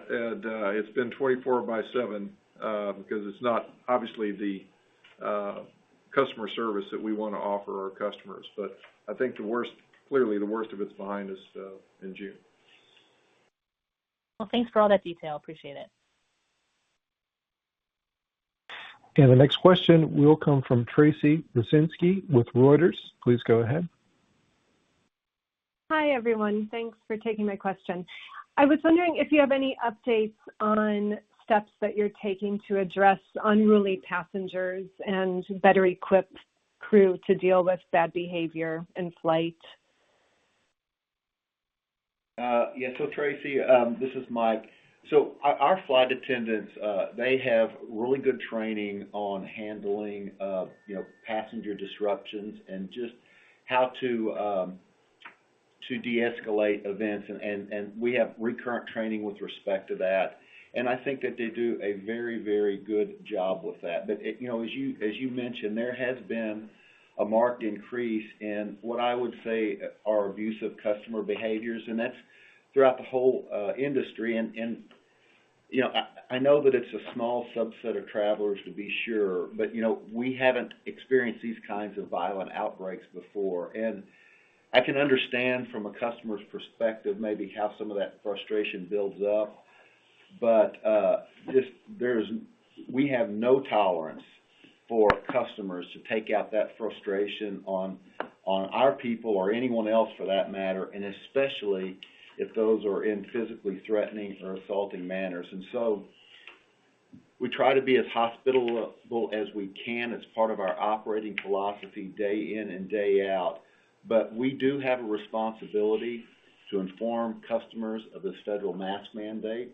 It's been 24 by 7, because it's not obviously the customer service that we want to offer our customers, but I think clearly, the worst of it's behind us in June. Well, thanks for all that detail. Appreciate it. The next question will come from Tracy Rucinski with Reuters. Please go ahead. Hi, everyone. Thanks for taking my question. I was wondering if you have any updates on steps that you're taking to address unruly passengers and better equip crew to deal with bad behavior in flight. Yeah. Tracy, this is Mike. Our flight attendants, they have really good training on handling passenger disruptions and just how to deescalate events, and we have recurrent training with respect to that. I think that they do a very good job with that. As you mentioned, there has been a marked increase in what I would say are abusive customer behaviors, and that's throughout the whole industry. I know that it's a small subset of travelers to be sure, but we haven't experienced these kinds of violent outbreaks before. I can understand from a customer's perspective, maybe how some of that frustration builds up. We have no tolerance for customers to take out that frustration on our people or anyone else for that matter, and especially if those are in physically threatening or assaulting manners. We try to be as hospitable as we can as part of our operating philosophy day in and day out. We do have a responsibility to inform customers of the federal mask mandate,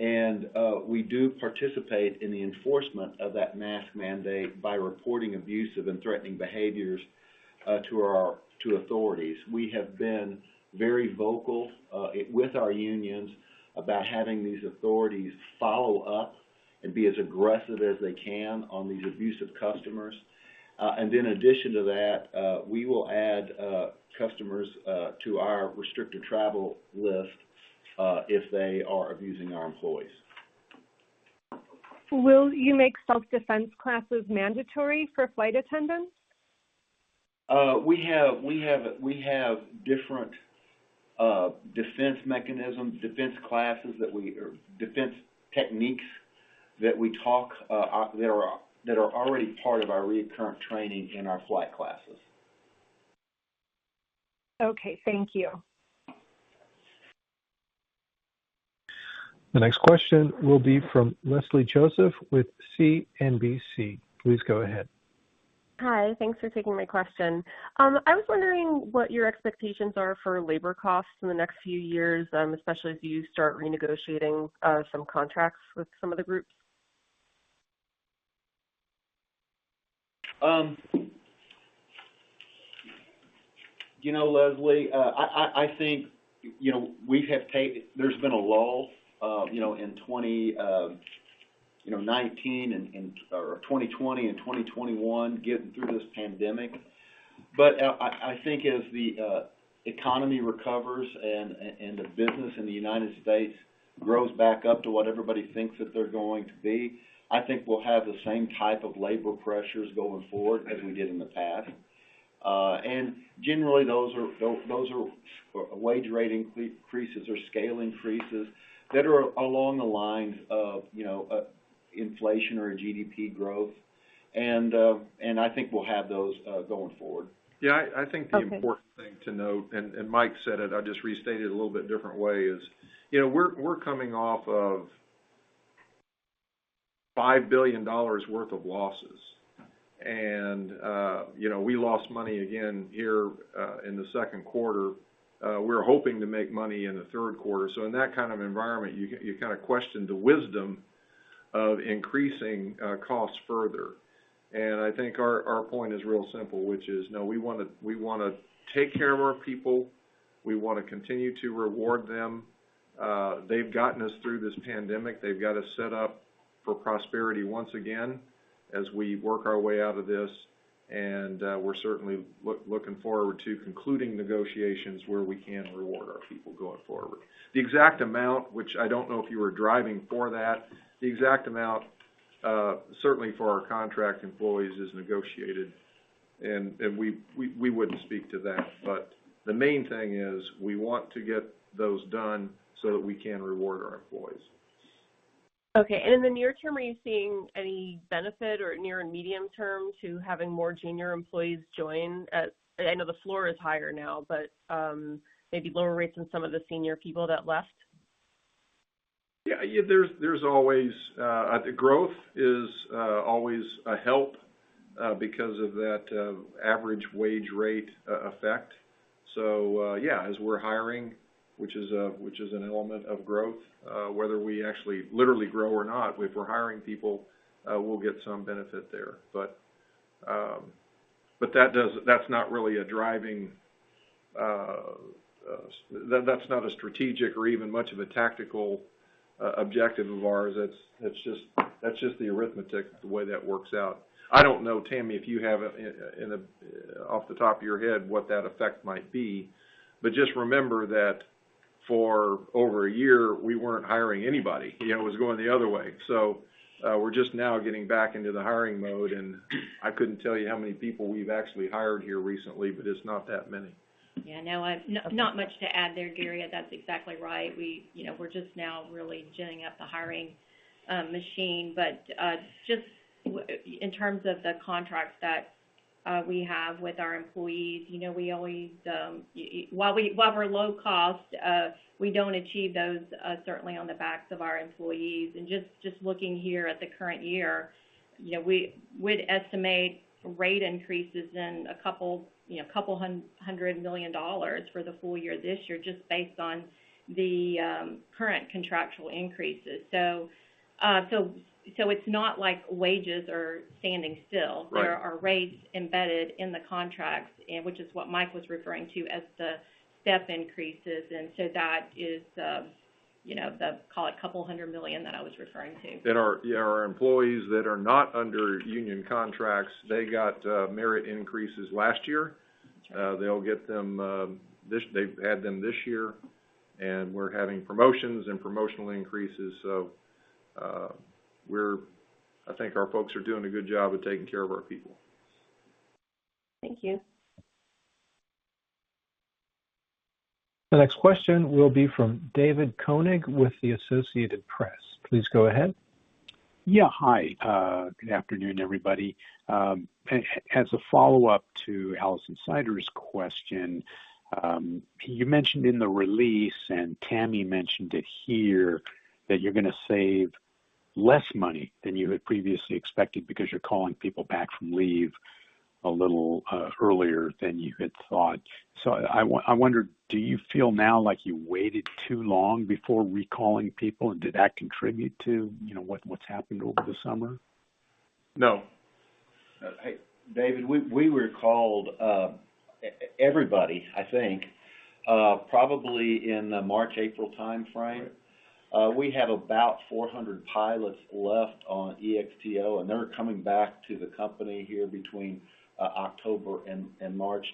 and we do participate in the enforcement of that mask mandate by reporting abusive and threatening behaviors to authorities. We have been very vocal with our unions about having these authorities follow up and be as aggressive as they can on these abusive customers. In addition to that, we will add customers to our restricted travel list if they are abusing our employees. Will you make self-defense classes mandatory for flight attendants? We have different defense mechanisms, defense classes, or defense techniques that are already part of our recurrent training in our flight classes. Okay, thank you. The next question will be from Leslie Josephs with CNBC. Please go ahead. Hi. Thanks for taking my question. I was wondering what your expectations are for labor costs in the next few years, especially as you start renegotiating some contracts with some of the groups. Leslie, I think there's been a lull, in 2019 or 2020 and 2021 getting through this pandemic. I think as the economy recovers and the business in the U.S. grows back up to what everybody thinks that they're going to be, I think we'll have the same type of labor pressures going forward as we did in the past. Generally, those are wage rate increases or scale increases that are along the lines of inflation or GDP growth. I think we'll have those going forward. Yeah, I think the important thing to note, Mike said it, I'll just restate it a little bit different way, is we're coming off of $5 billion worth of losses. We lost money again here in the second quarter. We're hoping to make money in the third quarter. In that kind of environment, you kind of question the wisdom of increasing costs further. I think our point is real simple, which is, we want to take care of our people. We want to continue to reward them. They've gotten us through this pandemic. They've got us set up for prosperity once again as we work our way out of this, we're certainly looking forward to concluding negotiations where we can reward our people going forward. The exact amount, which I don't know if you were driving for that, the exact amount certainly for our contract employees is negotiated. We wouldn't speak to that. The main thing is we want to get those done so that we can reward our employees. Okay. In the near term, are you seeing any benefit or near and medium term to having more junior employees join at, I know the floor is higher now, but maybe lower rates than some of the senior people that left? Yeah. Growth is always a help because of that average wage rate effect. Yeah, as we're hiring, which is an element of growth, whether we actually literally grow or not, if we're hiring people, we'll get some benefit there. That's not a strategic or even much of a tactical objective of ours. That's just the arithmetic, the way that works out. I don't know, Tammy, if you have off the top of your head what that effect might be. Just remember that for over a year, we weren't hiring anybody. It was going the other way. We're just now getting back into the hiring mode, and I couldn't tell you how many people we've actually hired here recently, but it's not that many. Yeah, no. Not much to add there, Gary Kelly. That's exactly right. We're just now really genning up the hiring machine. Just in terms of the contracts that we have with our employees, while we're low cost, we don't achieve those certainly on the backs of our employees. Just looking here at the current year, we'd estimate rate increases in $200 million for the full year this year, just based on the current contractual increases. It's not like wages are standing still. Right. There are rates embedded in the contracts, which is what Mike was referring to as the step increases. That is the, call it, couple hundred million that I was referring to. Our employees that are not under union contracts, they got merit increases last year. That's right. They've had them this year, and we're having promotions and promotional increases. I think our folks are doing a good job of taking care of our people. Thank you. The next question will be from David Koenig with the Associated Press. Please go ahead. Yeah. Hi. Good afternoon, everybody. As a follow-up to Alison Sider's question, you mentioned in the release, and Tammy mentioned it here, that you're going to save less money than you had previously expected because you're calling people back from leave a little earlier than you had thought. I wonder, do you feel now like you waited too long before recalling people? Did that contribute to what's happened over the summer? No. Hey, David, we recalled everybody, I think, probably in the March-April timeframe. We have about 400 pilots left on EXTO. They're coming back to the company here between October and March.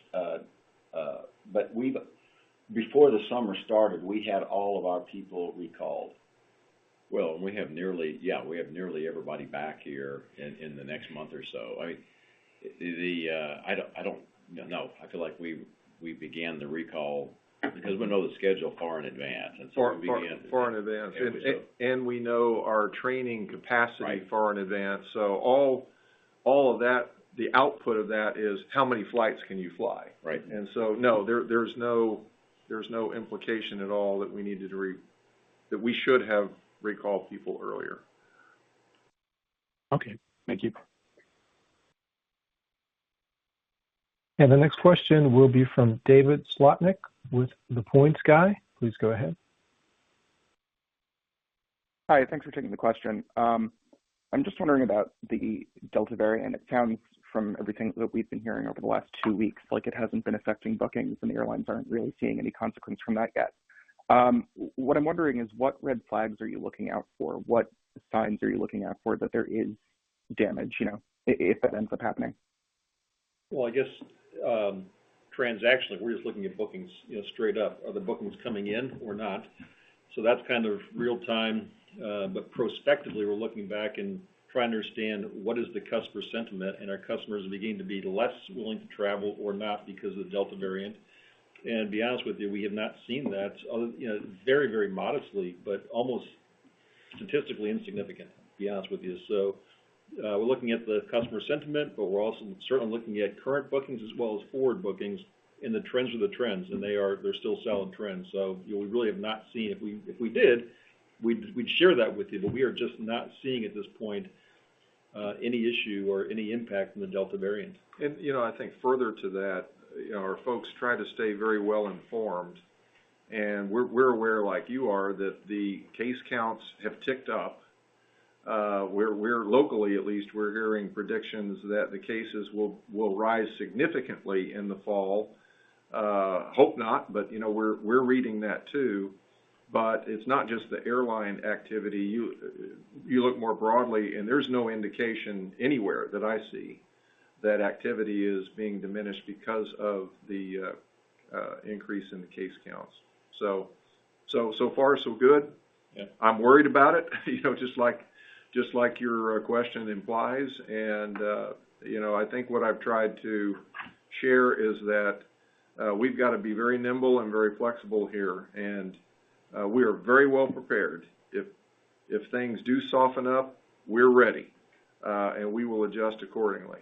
Before the summer started, we had all of our people recalled. Well, we have nearly everybody back here in the next month or so. I don't know. I feel like we began the recall because we know the schedule far in advance. Far in advance. Yeah. We know our training capacity. Right far in advance. All of that, the output of that is how many flights can you fly, right? No, there's no implication at all that we should have recalled people earlier. Okay. Thank you. The next question will be from David Slotnick with The Points Guy. Please go ahead. Hi. Thanks for taking the question. I'm just wondering about the Delta variant. It sounds from everything that we've been hearing over the last two weeks like it hasn't been affecting bookings. The airlines aren't really seeing any consequence from that yet. What I'm wondering is what red flags are you looking out for? What signs are you looking out for that there is damage, if that ends up happening? Well, I guess transactionally, we're just looking at bookings straight up. Are the bookings coming in or not? That's kind of real-time. Prospectively, we're looking back and trying to understand what is the customer sentiment, and are customers beginning to be less willing to travel or not because of the Delta variant? To be honest with you, we have not seen that. Very modestly, but almost statistically insignificant, to be honest with you. We're looking at the customer sentiment, but we're also certainly looking at current bookings as well as forward bookings and the trends of the trends, and they're still solid trends. We really have not seen. If we did, we'd share that with you. We are just not seeing at this point any issue or any impact from the Delta variant. I think further to that, our folks try to stay very well-informed, and we're aware, like you are, that the case counts have ticked up, where locally at least, we're hearing predictions that the cases will rise significantly in the fall. Hope not, we're reading that too. It's not just the airline activity. You look more broadly, and there's no indication anywhere that I see that activity is being diminished because of the increase in the case counts. So far so good. Yeah. I'm worried about it, just like your question implies. I think what I've tried to share is that we've got to be very nimble and very flexible here. We are very well-prepared. If things do soften up, we're ready, and we will adjust accordingly.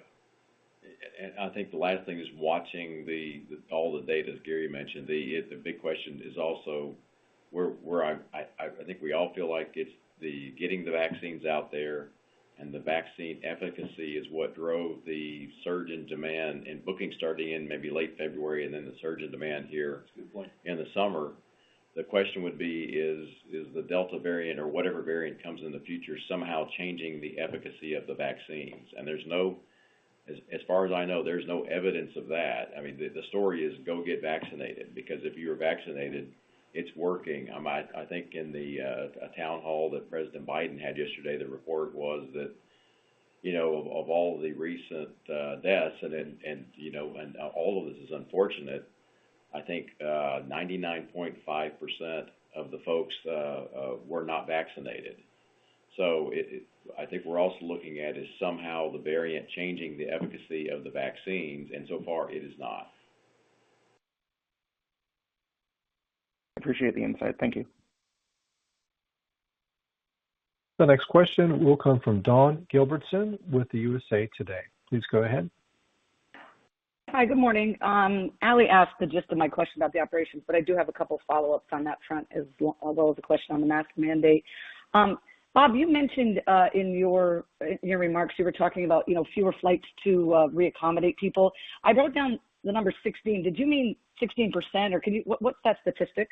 I think the last thing is watching all the data, as Gary mentioned. The big question is also where I think we all feel like it's the getting the vaccines out there and the vaccine efficacy is what drove the surge in demand, in bookings starting in maybe late February and then the surge in demand here. That's a good point. in the summer. The question would be is the Delta variant or whatever variant comes in the future somehow changing the efficacy of the vaccines? As far as I know, there's no evidence of that. The story is go get vaccinated because if you're vaccinated, it's working. I think in the town hall that President Biden had yesterday, the report was that of all the recent deaths, and all of this is unfortunate, I think 99.5% of the folks were not vaccinated. I think we're also looking at is somehow the variant changing the efficacy of the vaccines, and so far it is not. Appreciate the insight. Thank you. The next question will come from Dawn Gilbertson with the USA Today. Please go ahead. Hi. Good morning. Ally asked the gist of my question about the operations, but I do have a couple follow-ups on that front, as well as a question on the mask mandate. Bob, you mentioned in your remarks, you were talking about fewer flights to re-accommodate people. I wrote down the number 16. Did you mean 16%, or what's that statistic?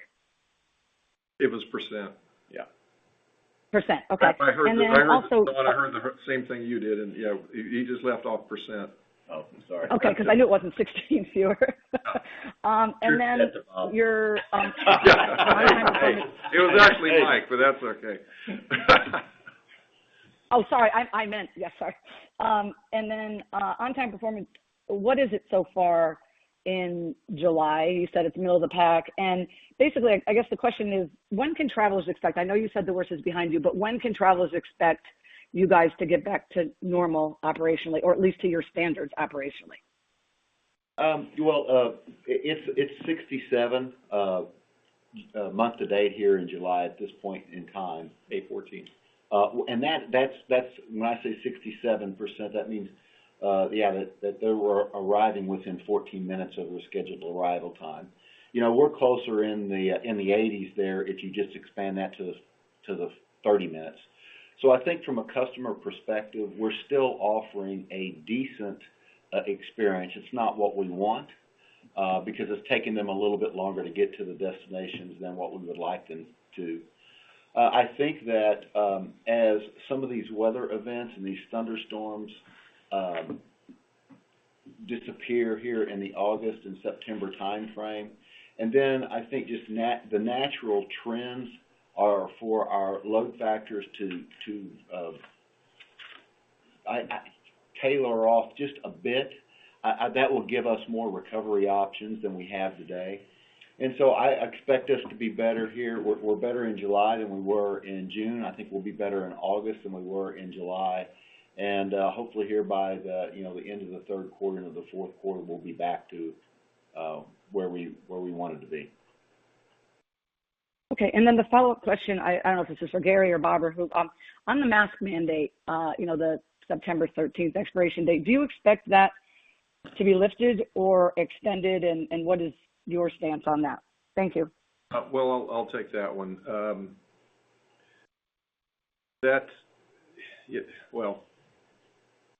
It was %. Yeah. Percent. Okay. Dawn, I heard the same thing you did, and he just left off %. Oh, I'm sorry. Okay, because I knew it wasn't 16 fewer. No. And then your- You're pissed at Bob. It was actually Mike, but that's okay. sorry. Yes, sorry. On-time performance, what is it so far in July? You said it's middle of the pack. Basically, I guess the question is, when can travelers expect, I know you said the worst is behind you, but when can travelers expect you guys to get back to normal operationally, or at least to your standards operationally? Well, it's 67% month to date here in July at this point in time, A14. When I say 67%, that means that they were arriving within 14 minutes of their scheduled arrival time. We're closer in the 80s there if you just expand that to the 30 minutes. I think from a customer perspective, we're still offering a decent experience. It's not what we want, because it's taking them a little bit longer to get to the destinations than what we would like them to. I think that as some of these weather events and these thunderstorms disappear here in the August and September timeframe, I think just the natural trends are for our load factors to tailor off just a bit. That will give us more recovery options than we have today. I expect us to be better here. We're better in July than we were in June. I think we'll be better in August than we were in July, hopefully here by the end of the third quarter or the fourth quarter, we'll be back to where we wanted to be. Okay, the follow-up question, I don't know if this is for Gary or Bob or who. On the mask mandate, the September 13th expiration date, do you expect that to be lifted or extended? What is your stance on that? Thank you. I'll take that one.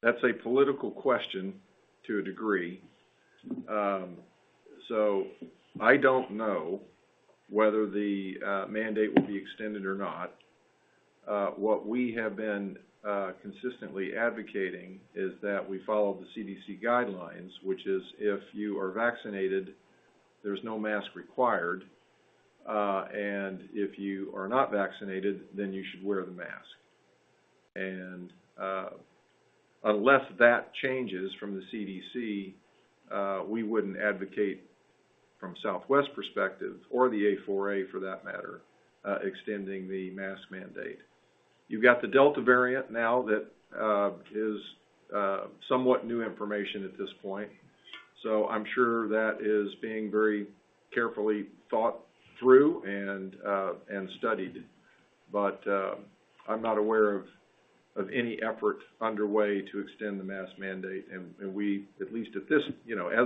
That's a political question to a degree. I don't know whether the mandate will be extended or not. What we have been consistently advocating is that we follow the CDC guidelines, which is if you are vaccinated, there's no mask required, and if you are not vaccinated, then you should wear the mask. Unless that changes from the CDC, we wouldn't advocate from Southwest perspective, or the A4A for that matter, extending the mask mandate. You've got the Delta variant now that is somewhat new information at this point. I'm sure that is being very carefully thought through and studied, but I'm not aware of any effort underway to extend the mask mandate, and we, at least as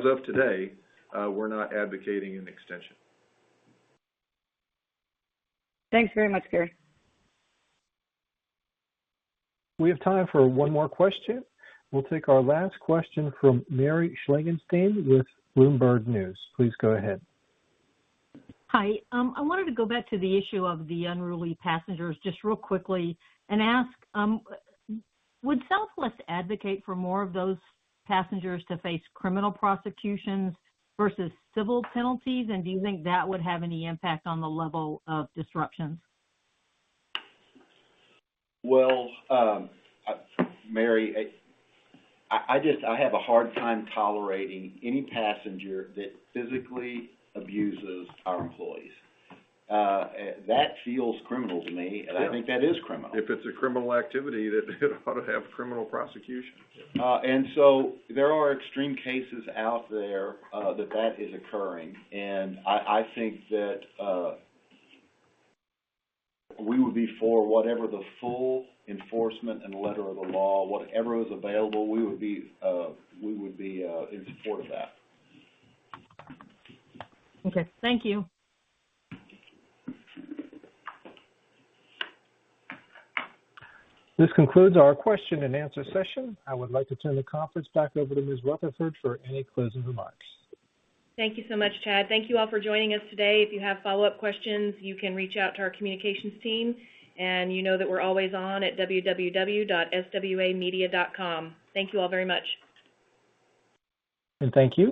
of today, we're not advocating an extension. Thanks very much, Gary. We have time for one more question. We'll take our last question from Mary Schlangenstein with Bloomberg News. Please go ahead. Hi. I wanted to go back to the issue of the unruly passengers just real quickly and ask, would Southwest advocate for more of those passengers to face criminal prosecutions versus civil penalties, and do you think that would have any impact on the level of disruptions? Well, Mary, I have a hard time tolerating any passenger that physically abuses our employees. That feels criminal to me, and I think that is criminal. If it's a criminal activity, then it ought to have criminal prosecution. There are extreme cases out there that is occurring, and I think that we would be for whatever the full enforcement and letter of the law, whatever is available, we would be in support of that. Okay. Thank you. This concludes our question and answer session. I would like to turn the conference back over to Ms. Rutherford for any closing remarks. Thank you so much, Chad. Thank you all for joining us today. If you have follow-up questions, you can reach out to our communications team, and you know that we're always on at www.swamedia.com. Thank you all very much. Thank you.